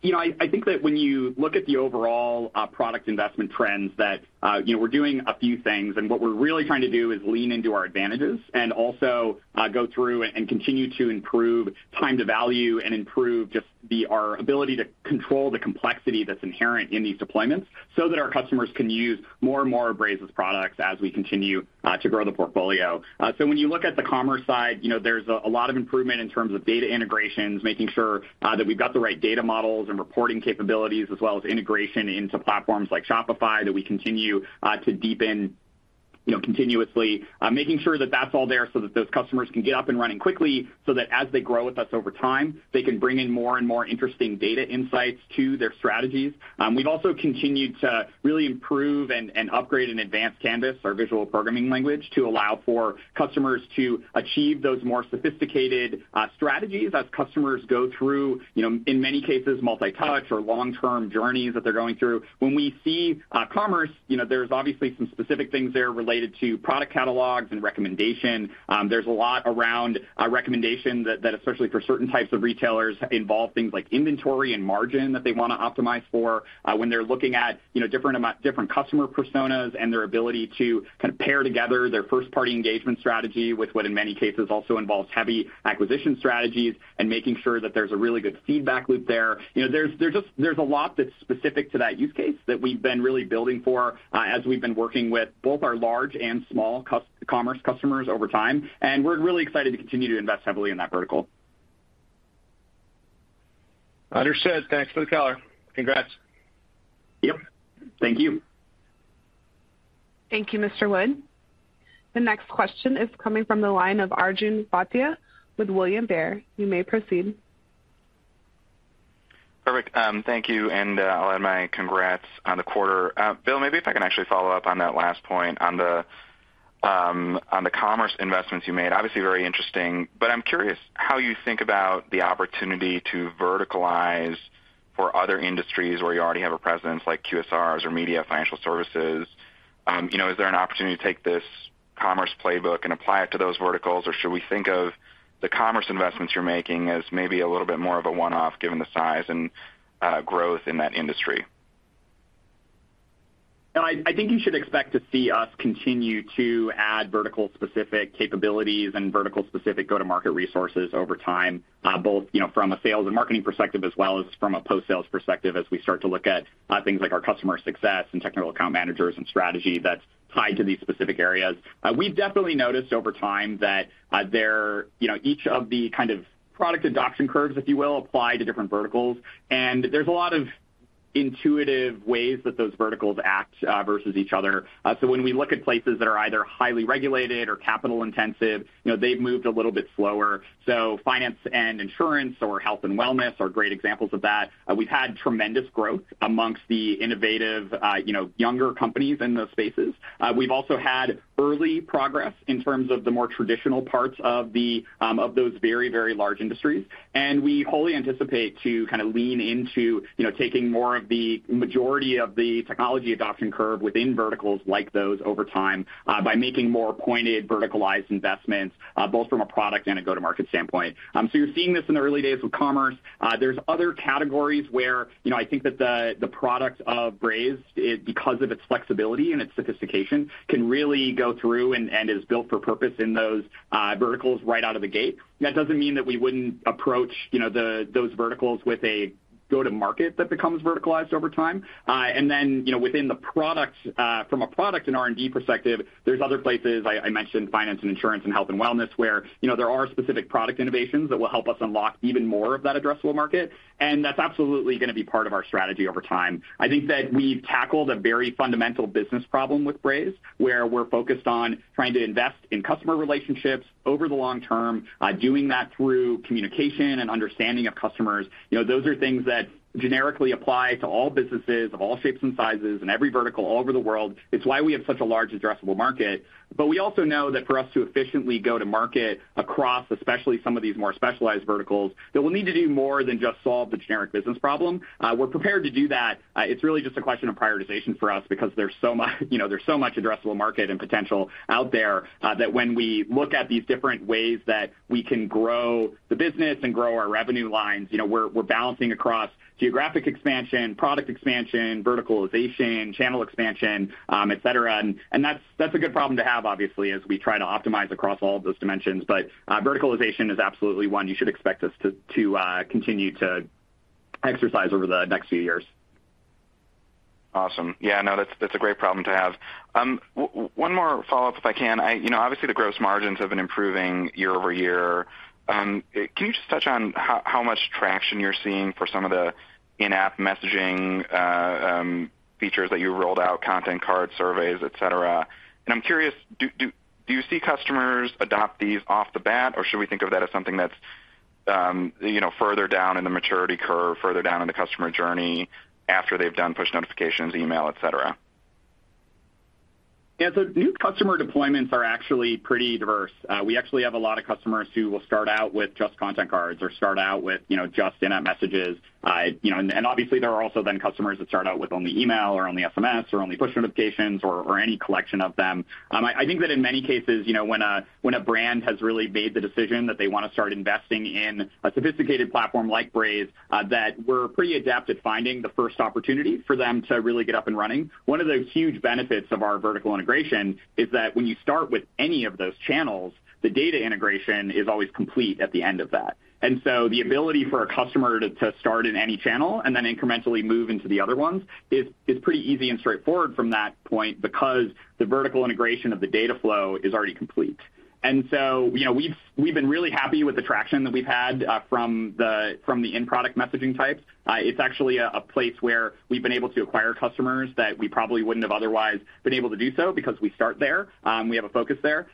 Speaker 3: You know, I think that when you look at the overall product investment trends that you know, we're doing a few things, and what we're really trying to do is lean into our advantages and also go through and continue to improve time to value and improve just our ability to control the complexity that's inherent in these deployments so that our customers can use more and more of Braze's products as we continue to grow the portfolio. When you look at the commerce side, you know, there's a lot of improvement in terms of data integrations, making sure that we've got the right data models and reporting capabilities, as well as integration into platforms like Shopify, that we continue to deepen, you know, continuously, making sure that that's all there so that those customers can get up and running quickly so that as they grow with us over time, they can bring in more and more interesting data insights to their strategies. We've also continued to really improve and upgrade and advance Canvas, our visual programming language, to allow for customers to achieve those more sophisticated strategies as customers go through, you know, in many cases, multi-touch or long-term journeys that they're going through. When we see commerce, you know, there's obviously some specific things there related to product catalogs and recommendation. There's a lot around recommendation that especially for certain types of retailers involve things like inventory and margin that they wanna optimize for when they're looking at, you know, different customer personas and their ability to kind of pair together their first-party engagement strategy with what in many cases also involves heavy acquisition strategies and making sure that there's a really good feedback loop there. You know, there's a lot that's specific to that use case that we've been really building for as we've been working with both our large and small commerce customers over time, and we're really excited to continue to invest heavily in that vertical.
Speaker 8: Understood. Thanks for the color. Congrats.
Speaker 3: Yep. Thank you.
Speaker 1: Thank you, Mr. Wood. The next question is coming from the line of Arjun Bhatia with William Blair. You may proceed.
Speaker 9: Perfect. Thank you, and I'll add my congrats on the quarter. Bill, maybe if I can actually follow up on that last point on the commerce investments you made. Obviously very interesting, but I'm curious how you think about the opportunity to verticalize for other industries where you already have a presence like QSRs or media, financial services. You know, is there an opportunity to take this commerce playbook and apply it to those verticals or should we think of the commerce investments you're making as maybe a little bit more of a one-off given the size and growth in that industry?
Speaker 3: No, I think you should expect to see us continue to add vertical-specific capabilities and vertical-specific go-to-market resources over time, both, you know, from a sales and marketing perspective as well as from a post-sales perspective as we start to look at things like our customer success and technical account managers and strategy that's tied to these specific areas. We've definitely noticed over time that, you know, each of the kind of product adoption curves, if you will, apply to different verticals. There's a lot of intuitive ways that those verticals act versus each other. When we look at places that are either highly regulated or capital-intensive, you know, they've moved a little bit slower. Finance and insurance or health and wellness are great examples of that. We've had tremendous growth amongst the innovative, you know, younger companies in those spaces. We've also had early progress in terms of the more traditional parts of those very, very large industries. We wholly anticipate to kind of lean into, you know, taking more of the majority of the technology adoption curve within verticals like those over time, by making more pointed verticalized investments, both from a product and a go-to-market standpoint. You're seeing this in the early days with commerce. There's other categories where, you know, I think that the product of Braze because of its flexibility and its sophistication, can really go through and is built for purpose in those verticals right out of the gate. That doesn't mean that we wouldn't approach, you know, the, those verticals with a go-to-market that becomes verticalized over time. You know, within the product, from a product and R&D perspective, there's other places, I mentioned finance and insurance and health and wellness, where, you know, there are specific product innovations that will help us unlock even more of that addressable market, and that's absolutely gonna be part of our strategy over time. I think that we've tackled a very fundamental business problem with Braze, where we're focused on trying to invest in customer relationships over the long term, doing that through communication and understanding of customers. You know, those are things that generically apply to all businesses of all shapes and sizes in every vertical all over the world. It's why we have such a large addressable market. We also know that for us to efficiently go to market across, especially some of these more specialized verticals, that we'll need to do more than just solve the generic business problem. We're prepared to do that. It's really just a question of prioritization for us because there's so much addressable market and potential out there, that when we look at these different ways that we can grow the business and grow our revenue lines, you know, we're balancing across geographic expansion, product expansion, verticalization, channel expansion, et cetera. And that's a good problem to have, obviously, as we try to optimize across all of those dimensions. Verticalization is absolutely one you should expect us to continue to exercise over the next few years.
Speaker 9: Awesome. Yeah, no, that's a great problem to have. One more follow-up if I can. You know, obviously the gross margins have been improving year-over-year. Can you just touch on how much traction you're seeing for some of the in-app messaging features that you rolled out, Content Cards, surveys, et cetera? I'm curious, do you see customers adopt these off the bat, or should we think of that as something that's, you know, further down in the maturity curve, further down in the customer journey after they've done push notifications, email, et cetera?
Speaker 3: Yeah. New customer deployments are actually pretty diverse. We actually have a lot of customers who will start out with just Content Cards or start out with, you know, just in-app messages. You know, and obviously there are also then customers that start out with only email or only SMS or only push notifications or any collection of them. I think that in many cases, you know, when a brand has really made the decision that they wanna start investing in a sophisticated platform like Braze, that we're pretty adept at finding the first opportunity for them to really get up and running. One of the huge benefits of our vertical integration is that when you start with any of those channels, the data integration is always complete at the end of that. The ability for a customer to start in any channel and then incrementally mon that we've had from the in-product messaging types. It's actually a place where we've been able to acquire customers that we probably wouldn't have otherwise been able to do so because we start there. We have a focus there.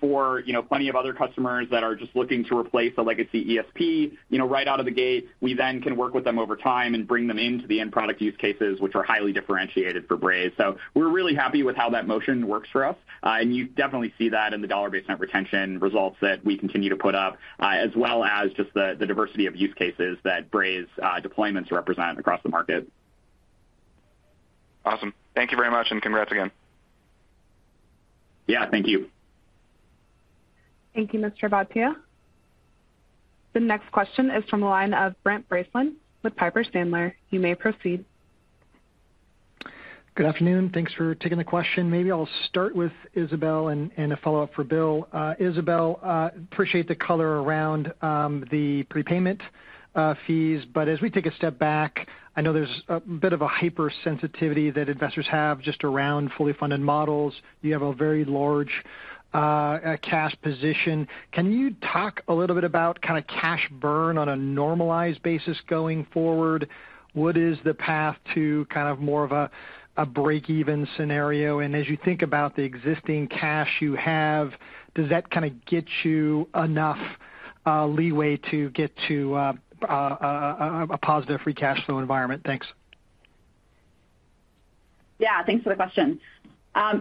Speaker 3: For you know, plenty of other customers that are jve into the other ones is pretty easy and straightforward from that point because the vertical integration of the data flow is already complete. You know, we've been really happy with the tractioust looking to replace a legacy ESP, you know, right out of the gate, we then can work with them over time and bring them into the end product use cases, which are highly differentiated for Braze. We're really happy with how that motion works for us. You definitely see that in the dollar-based net retention results that we continue to put up, as well as just the diversity of use cases that Braze deployments represent across the market.
Speaker 9: Awesome. Thank you very much, and congrats again.
Speaker 3: Yeah. Thank you.
Speaker 1: Thank you, Mr. Bhatia. The next question is from the line of Brent Bracelin with Piper Sandler. You may proceed.
Speaker 10: Good afternoon. Thanks for taking the question. Maybe I'll start with Isabelle and a follow-up for Bill. Isabelle, appreciate the color around the prepayment fees. But as we take a step back, I know there's a bit of a hypersensitivity that investors have just around fully funded models. You have a very large cash position. Can you talk a little bit about kinda cash burn on a normalized basis going forward? What is the path to kind of more of a break-even scenario and as you think about the existing cash you have, does that kinda get you enough leeway to get to a positive free cash flow environment? Thanks.
Speaker 4: Yeah. Thanks for the question.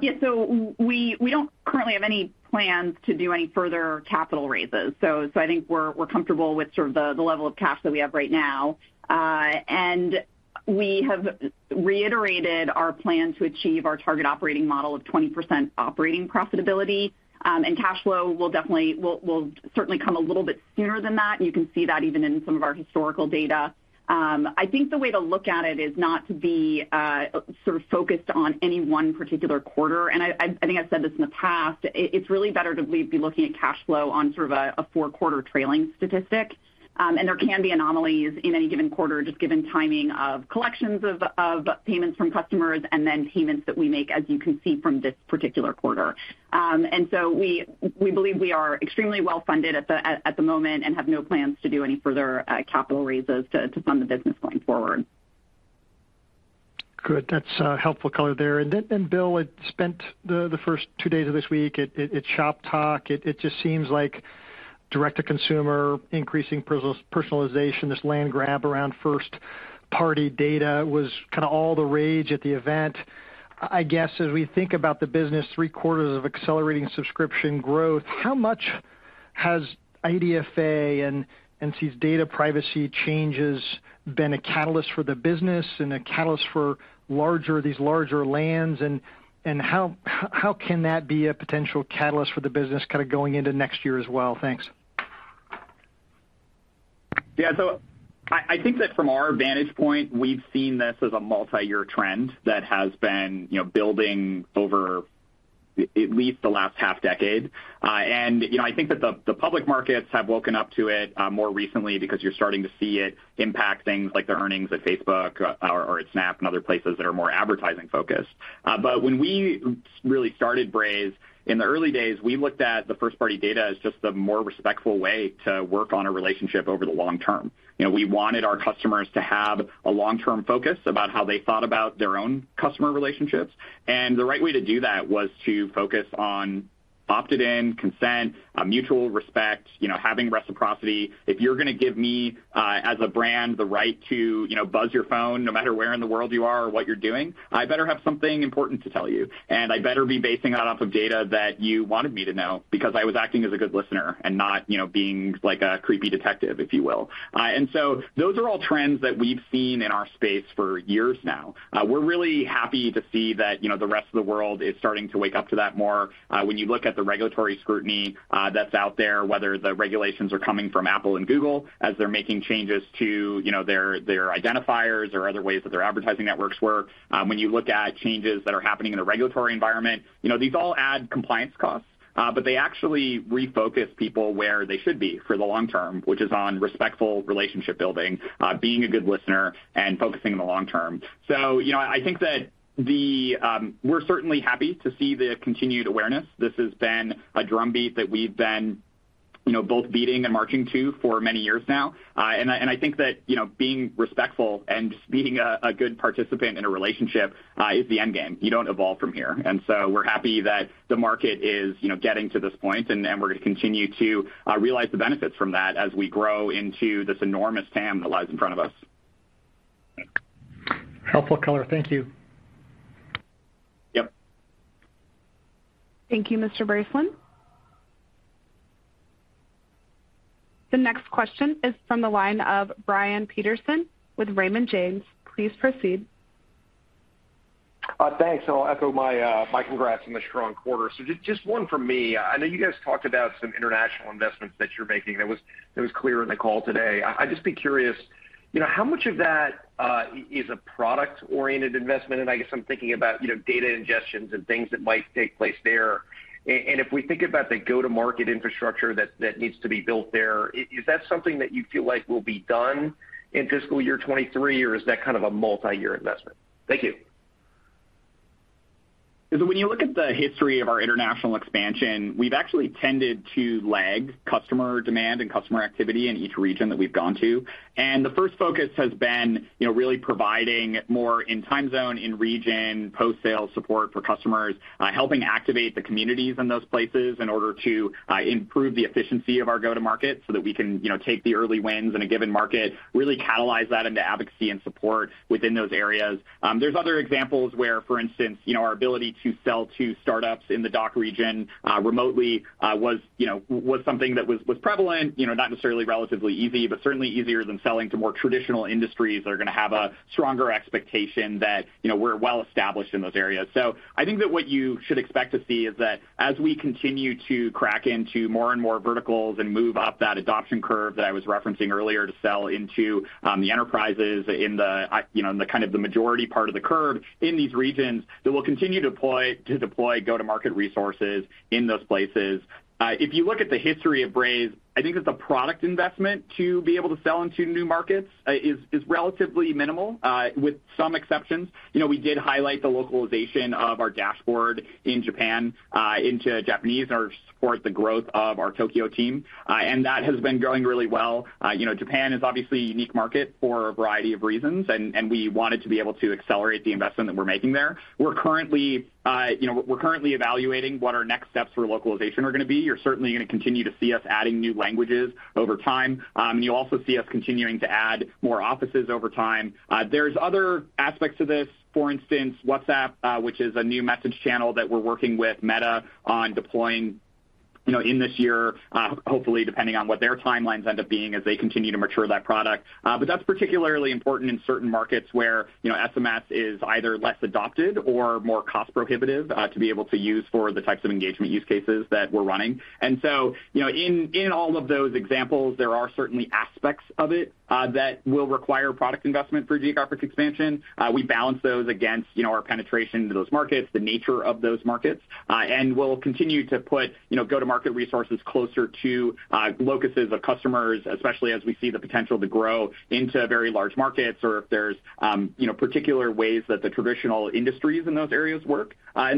Speaker 4: Yeah, so we don't currently have any plans to do any further capital raises. So I think we're comfortable with sort of the level of cash that we have right now and we have reiterated our plan to achieve our target operating model of 20% operating profitability, and cash flow will certainly come a little bit sooner than that, and you can see that even in some of our historical data. I think the way to look at it is not to be sort of focused on any one particular quarter. I think I've said this in the past, it's really better to be looking at cash flow on sort of a four-quarter trailing statistic. There can be anomalies in any given quarter, just given timing of collections of payments from customers and then payments that we make, as you can see from this particular quarter. We believe we are extremely well funded at the moment and have no plans to do any further capital raises to fund the business going forward.
Speaker 10: Good. That's helpful color there. Bill had spent the first two days of this week at Shoptalk. It just seems like direct-to-consumer, increasing personalization, this land grab around first-party data was kinda all the rage at the event. I guess, as we think about the business three quarters of accelerating subscription growth, how much has IDFA and these data privacy changes been a catalyst for the business and a catalyst for larger these larger deals? How can that be a potential catalyst for the business kinda going into next year as well? Thanks.
Speaker 3: Yeah. I think that from our vantage point, we've seen this as a multiyear trend that has been, you know, building over at least the last half decade. You know, I think that the public markets have woken up to it more recently because you're starting to see it impact things like the earnings at Facebook or at Snap and other places that are more advertising focused. But when we really started Braze in the early days, we looked at the first party data as just a more respectful way to work on a relationship over the long term. You know, we wanted our customers to have a long-term focus about how they thought about their own customer relationships. The right way to do that was to focus on opted in consent, mutual respect, you know, having reciprocity. If you're gonna give me, as a brand, the right to, you know, buzz your phone no matter where in the world you are or what you're doing, I better have something important to tell you. I better be basing that off of data that you wanted me to know because I was acting as a good listener and not, you know, being like a creepy detective, if you will. Those are all trends that we've seen in our space for years now. We're really happy to see that, you know, the rest of the world is starting to wake up to that more. When you look at the regulatory scrutiny, that's out there, whether the regulations are coming from Apple and Google as they're making changes to, you know, their identifiers or other ways that their advertising networks work. When you look at changes that are happening in the regulatory environment, you know, these all add compliance costs, but they actually refocus people where they should be for the long term, which is on respectful relationship building, being a good listener and focusing on the long term. You know, I think that we're certainly happy to see the continued awareness. This has been a drumbeat that we've been, you know, both beating and marching to for many years now. I think that, you know, being respectful and just being a good participant in a relationship is the end game. You don't evolve from here. We're happy that the market is, you know, getting to this point, and we're gonna continue to realize the benefits from that as we grow into this enormous TAM that lies in front of us.
Speaker 10: Helpful color. Thank you.
Speaker 3: Yep.
Speaker 1: Thank you, Mr. Bracelin. The next question is from the line of Brian Peterson with Raymond James. Please proceed.
Speaker 11: Thanks. I'll echo my congrats on the strong quarter. Just one from me. I know you guys talked about some international investments that you're making. That was clear in the call today. I'd just be curious, you know, how much of that is a product-oriented investment, and I guess I'm thinking about, you know, data ingestions and things that might take place there and if we think about the go-to-market infrastructure that needs to be built there, is that something that you feel like will be done in fiscal year 2023, or is that kind of a multiyear investment? Thank you.
Speaker 3: When you look at the history of our international expansion, we've actually tended to lag customer demand and customer activity in each region that we've gone to. The first focus has been, you know, really providing more in time zone, in region post-sale support for customers, helping activate the communities in those places in order to improve the efficiency of our go-to-market so that we can, you know, take the early wins in a given market, really catalyze that into advocacy and support within those areas. There's other examples where, for instance, you know, our ability to sell to startups in the DACH region remotely was, you know, something that was prevalent, you know, not necessarily relatively easy, but certainly easier than selling to more traditional industries that are gonna have a stronger expectation that, you know, we're well established in those areas. I think that what you should expect to see is that as we continue to crack into more and more verticals and move up that adoption curve that I was referencing earlier to sell into the enterprises in the, you know, in the kind of the majority part of the curve in these regions, that we'll continue to deploy go-to-market resources in those places. If you look at the history of Braze, I think that the product investment to be able to sell into new markets is relatively minimal with some exceptions. You know, we did highlight the localization of our dashboard in Japan into Japanese and our support, the growth of our Tokyo team, and that has been going really well. You know, Japan is obviously a unique market for a variety of reasons, and we wanted to be able to accelerate the investment that we're making there. We're currently, you know, evaluating what our next steps for localization are gonna be. You're certainly gonna continue to see us adding new languages over time. You'll also see us continuing to add more offices over time. There's other aspects to this. For instance, WhatsApp, which is a new message channel that we're working with Meta on deploying, you know, in this year, hopefully depending on what their timelines end up being as they continue to mature that product. That's particularly important in certain markets where, you know, SMS is either less adopted or more cost prohibitive, to be able to use for the types of engagement use cases that we're running. You know, in all of those examples, there are certainly aspects of it that will require product investment for geographic expansion. We balance those against, you know, our penetration into those markets, the nature of those markets, and we'll continue to put, you know, go-to-market resources closer to locuses of customers, especially as we see the potential to grow into very large markets or if there's, you know, particular ways that the traditional industries in those areas work.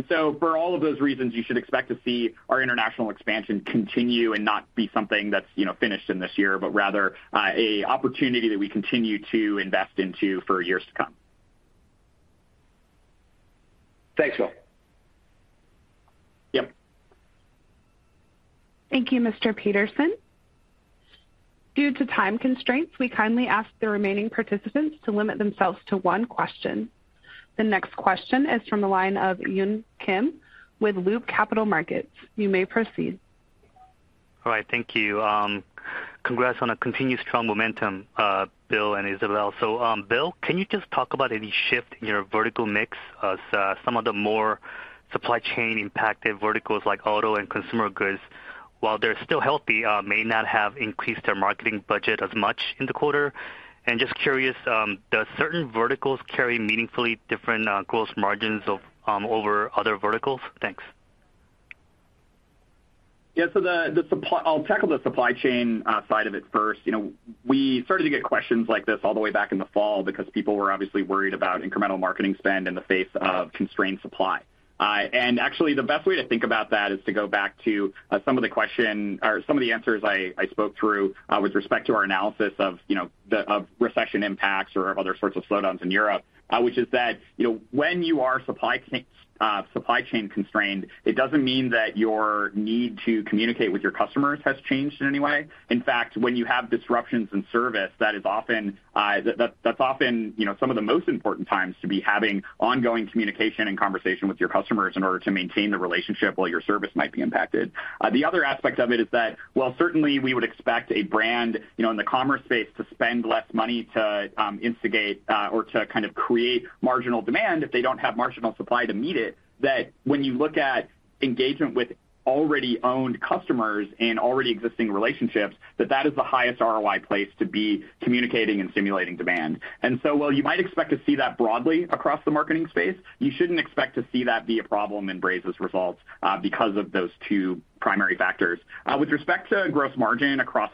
Speaker 3: For all of those reasons, you should expect to see our international expansion continue and not be something that's, you know, finished in this year, but rather, a opportunity that we continue to invest into for years to come. Yep.
Speaker 1: Thank you, Mr. Peterson. Due to time constraints, we kindly ask the remaining participants to limit themselves to one question. The next question is from the line of Yun Kim with Loop Capital Markets. You may proceed.
Speaker 12: All right. Thank you. Congrats on continued strong momentum, Bill and Isabelle. Bill, can you just talk about any shift in your vertical mix as some of the more supply chain impacted verticals like auto and consumer goods, while they're still healthy, may not have increased their marketing budget as much in the quarter. Just curious, does certain verticals carry meaningfully different gross margins of over other verticals? Thanks.
Speaker 3: I'll tackle the supply chain side of it first. You know, we started to get questions like this all the way back in the fall because people were obviously worried about incremental marketing spend in the face of constrained supply. Actually, the best way to think about that is to go back to some of the questions or some of the answers I spoke through with respect to our analysis of recession impacts or other sorts of slowdowns in Europe, which is that, you know, when you are supply chain constrained, it doesn't mean that your need to communicate with your customers has changed in any way. In fact, when you have disruptions in service, that is often, you know, some of the most important times to be having ongoing communication and conversation with your customers in order to maintain the relationship while your service might be impacted. The other aspect of it is that while certainly we would expect a brand, you know, in the commerce space to spend less money to instigate or to kind of create marginal demand if they don't have marginal supply to meet it, that when you look at engagement with already owned customers and already existing relationships, that is the highest ROI place to be communicating and stimulating demand. While you might expect to see that broadly across the marketing space, you shouldn't expect to see that be a problem in Braze's results, because of those two primary factors. With respect to gross margin across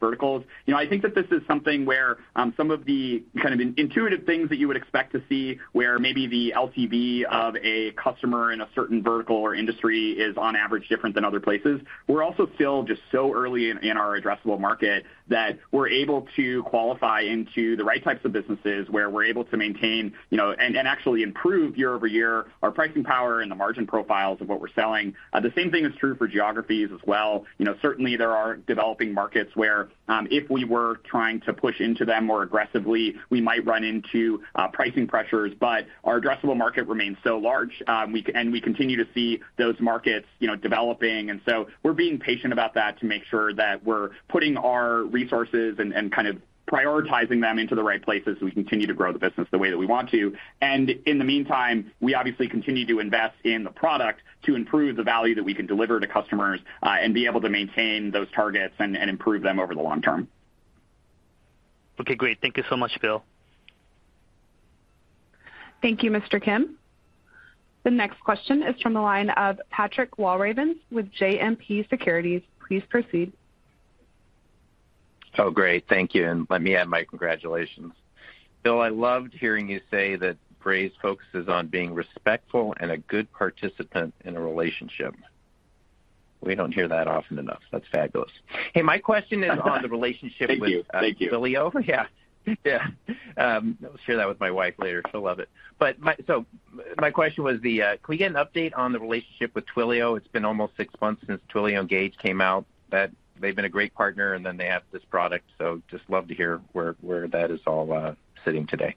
Speaker 3: verticals, you know, I think that this is something where some of the kind of counterintuitive things that you would expect to see where maybe the LTV of a customer in a certain vertical or industry is on average different than other places. We're also still just so early in our addressable market that we're able to qualify into the right types of businesses where we're able to maintain, you know, and actually improve year-over-year our pricing power and the margin profiles of what we're selling. The same thing is true for geographies as well. You know, certainly there are developing markets where if we were trying to push into them more aggressively, we might run into pricing pressures. Our addressable market remains so large, we continue to see those markets, you know, developing, and so we're being patient about that to make sure that we're putting our resources and kind of prioritizing them into the right places so we continue to grow the business the way that we want to. In the meantime, we obviously continue to invest in the product to improve the value that we can deliver to customers, and be able to maintain those targets and improve them over the long term.
Speaker 12: Okay, great. Thank you so much, Bill.
Speaker 1: Thank you, Mr. Kim. The next question is from the line of Patrick Walravens with JMP Securities. Please proceed.
Speaker 13: Oh, great. Thank you, and let me add my congratulations. Bill, I loved hearing you say that Braze focuses on being respectful and a good participant in a relationship. We don't hear that often enough. That's fabulous. Hey, my question is on the relationship with-
Speaker 3: Thank you. Thank you.
Speaker 13: Twilio. Yeah. Yeah. I'll share that with my wife later. She'll love it. My question was, can we get an update on the relationship with Twilio? It's been almost six months since Twilio Engage came out. They've been a great partner, and then they have this product, so I love to hear where that is all sitting today.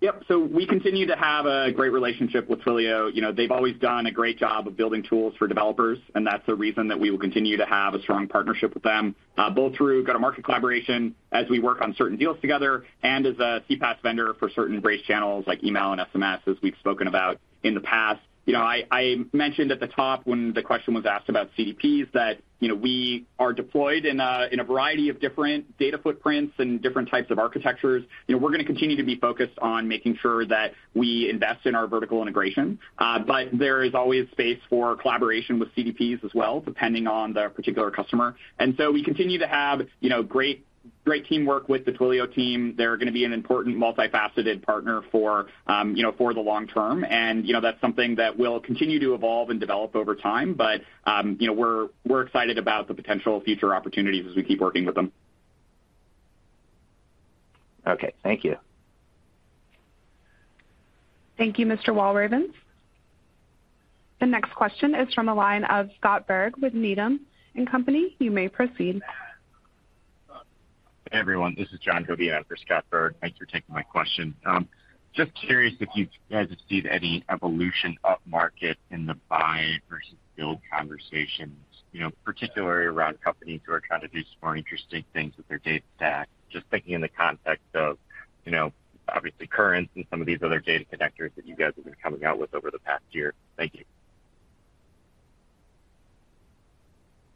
Speaker 3: Yep. We continue to have a great relationship with Twilio. You know, they've always done a great job of building tools for developers, and that's the reason that we will continue to have a strong partnership with them, both through go-to-market collaboration as we work on certain deals together and as a CPaaS vendor for certain Braze channels like email and SMS, as we've spoken about in the past. You know, I mentioned at the top when the question was asked about CDPs that, you know, we are deployed in a variety of different data footprints and different types of architectures. You know, we're gonna continue to be focused on making sure that we invest in our vertical integration. But there is always space for collaboration with CDPs as well, depending on the particular customer. We continue to have, you know, great teamwork with the Twilio team. They're gonna be an important multifaceted partner for, you know, for the long term. You know, that's something that will continue to evolve and develop over time. You know, we're excited about the potential future opportunities as we keep working with them.
Speaker 13: Okay. Thank you.
Speaker 1: Thank you, Mr. Walravens. The next question is from the line of Scott Berg with Needham & Company. You may proceed.
Speaker 14: Hey, everyone. This is John Godin for Scott Berg. Thanks for taking my question. Just curious if you guys have seen any evolution upmarket in the buy versus build conversations, you know, particularly around companies who are trying to do some more interesting things with their data stack. Just thinking in the context of, you know, obviously Currents and some of these other data connectors that you guys have been coming out with over the past year. Thank you.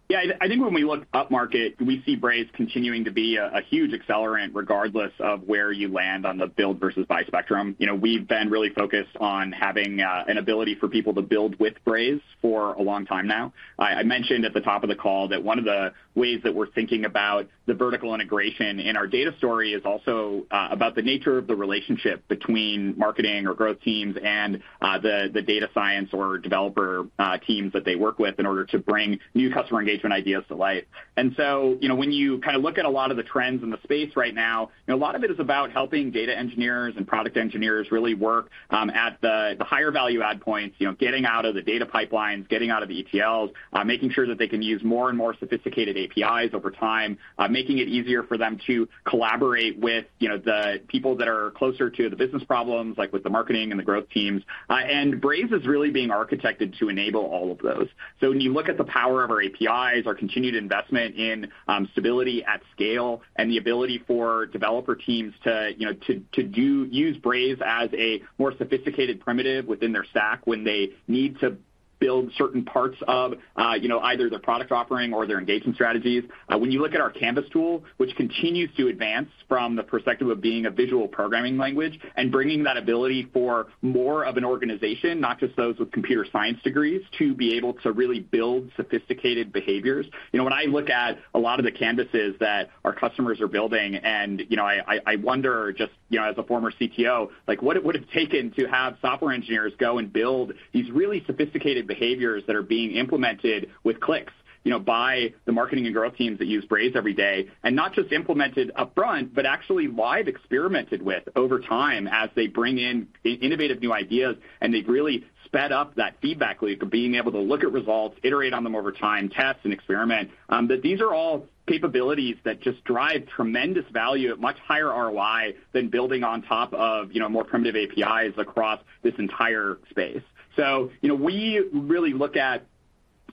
Speaker 3: Yeah, I think when we look upmarket, we see Braze continuing to be a huge accelerant regardless of where you land on the build versus buy spectrum. You know, we've been really focused on having an ability for people to build with Braze for a long time now. I mentioned at the top of the call that one of the ways that we're thinking about the vertical integration in our data story is also about the nature of the relationship between marketing or growth teams and the data science or developer teams that they work with in order to bring new customer engagement ideas to life. You know, when you kinda look at a lot of the trends in the space right now, you know, a lot of it is about helping data engineers and product engineers really work at the higher value add points, you know, getting out of the data pipelines, getting out of the ETLs, making sure that they can use more and more sophisticated APIs over time, making it easier for them to collaborate with, you know, the people that are closer to the business problems, like with the marketing and the growth teams. Braze is really being architected to enable all of those. When you look at the power of our APIs, our continued investment in stability at scale, and the ability for developer teams to use Braze as a more sophisticated primitive within their stack when they need to build certain parts of, you know, either their product offering or their engagement strategies. When you look at our Canvas tool, which continues to advance from the perspective of being a visual programming language and bringing that ability for more of an organization, not just those with computer science degrees, to be able to really build sophisticated behaviors. You know, when I look at a lot of the Canvases that our customers are building and, you know, I wonder just, you know, as a former CTO, like what it would've taken to have software engineers go and build these really sophisticated behaviors that are being implemented with clicks, you know, by the marketing and growth teams that use Braze every day, and not just implemented upfront, but actually live experimented with over time as they bring in innovative new ideas, and they've really sped up that feedback loop of being able to look at results, iterate on them over time, test and experiment. These are all capabilities that just drive tremendous value at much higher ROI than building on top of, you know, more primitive APIs across this entire space. You know, we really look at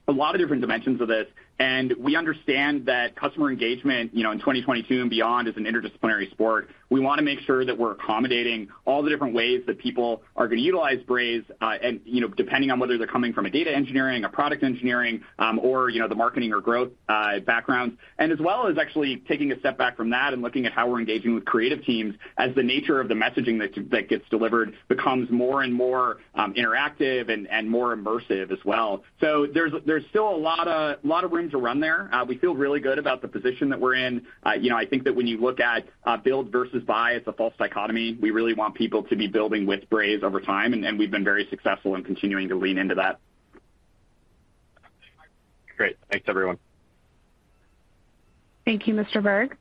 Speaker 3: a lot of different dimensions of this, and we understand that customer engagement, you know, in 2022 and beyond is an interdisciplinary sport. We wanna make sure that we're accommodating all the different ways that people are gonna utilize Braze, and, you know, depending on whether they're coming from a data engineering, a product engineering, or, you know, the marketing or growth backgrounds. As well as actually taking a step back from that and looking at how we're engaging with creative teams as the nature of the messaging that gets delivered becomes more and more interactive and more immersive as well. There's still a lotta room to run there. We feel really good about the position that we're in. You know, I think that when you look at build versus buy as a false dichotomy, we really want people to be building with Braze over time, and we've been very successful in continuing to lean into that.
Speaker 14: Great. Thanks, everyone.
Speaker 1: Thank you, Mr. John.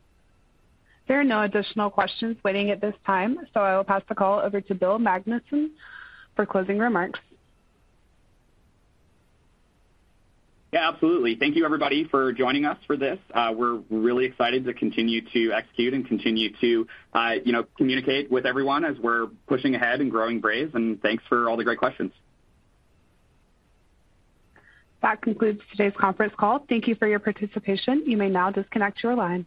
Speaker 1: There are no additional questions waiting at this time, so I will pass the call over to Bill Magnuson for closing remarks.
Speaker 3: Yeah, absolutely. Thank you everybody for joining us for this. We're really excited to continue to execute and you know, communicate with everyone as we're pushing ahead and growing Braze, and thanks for all the great questions.
Speaker 1: That concludes today's conference call. Thank you for your participation. You may now disconnect your line.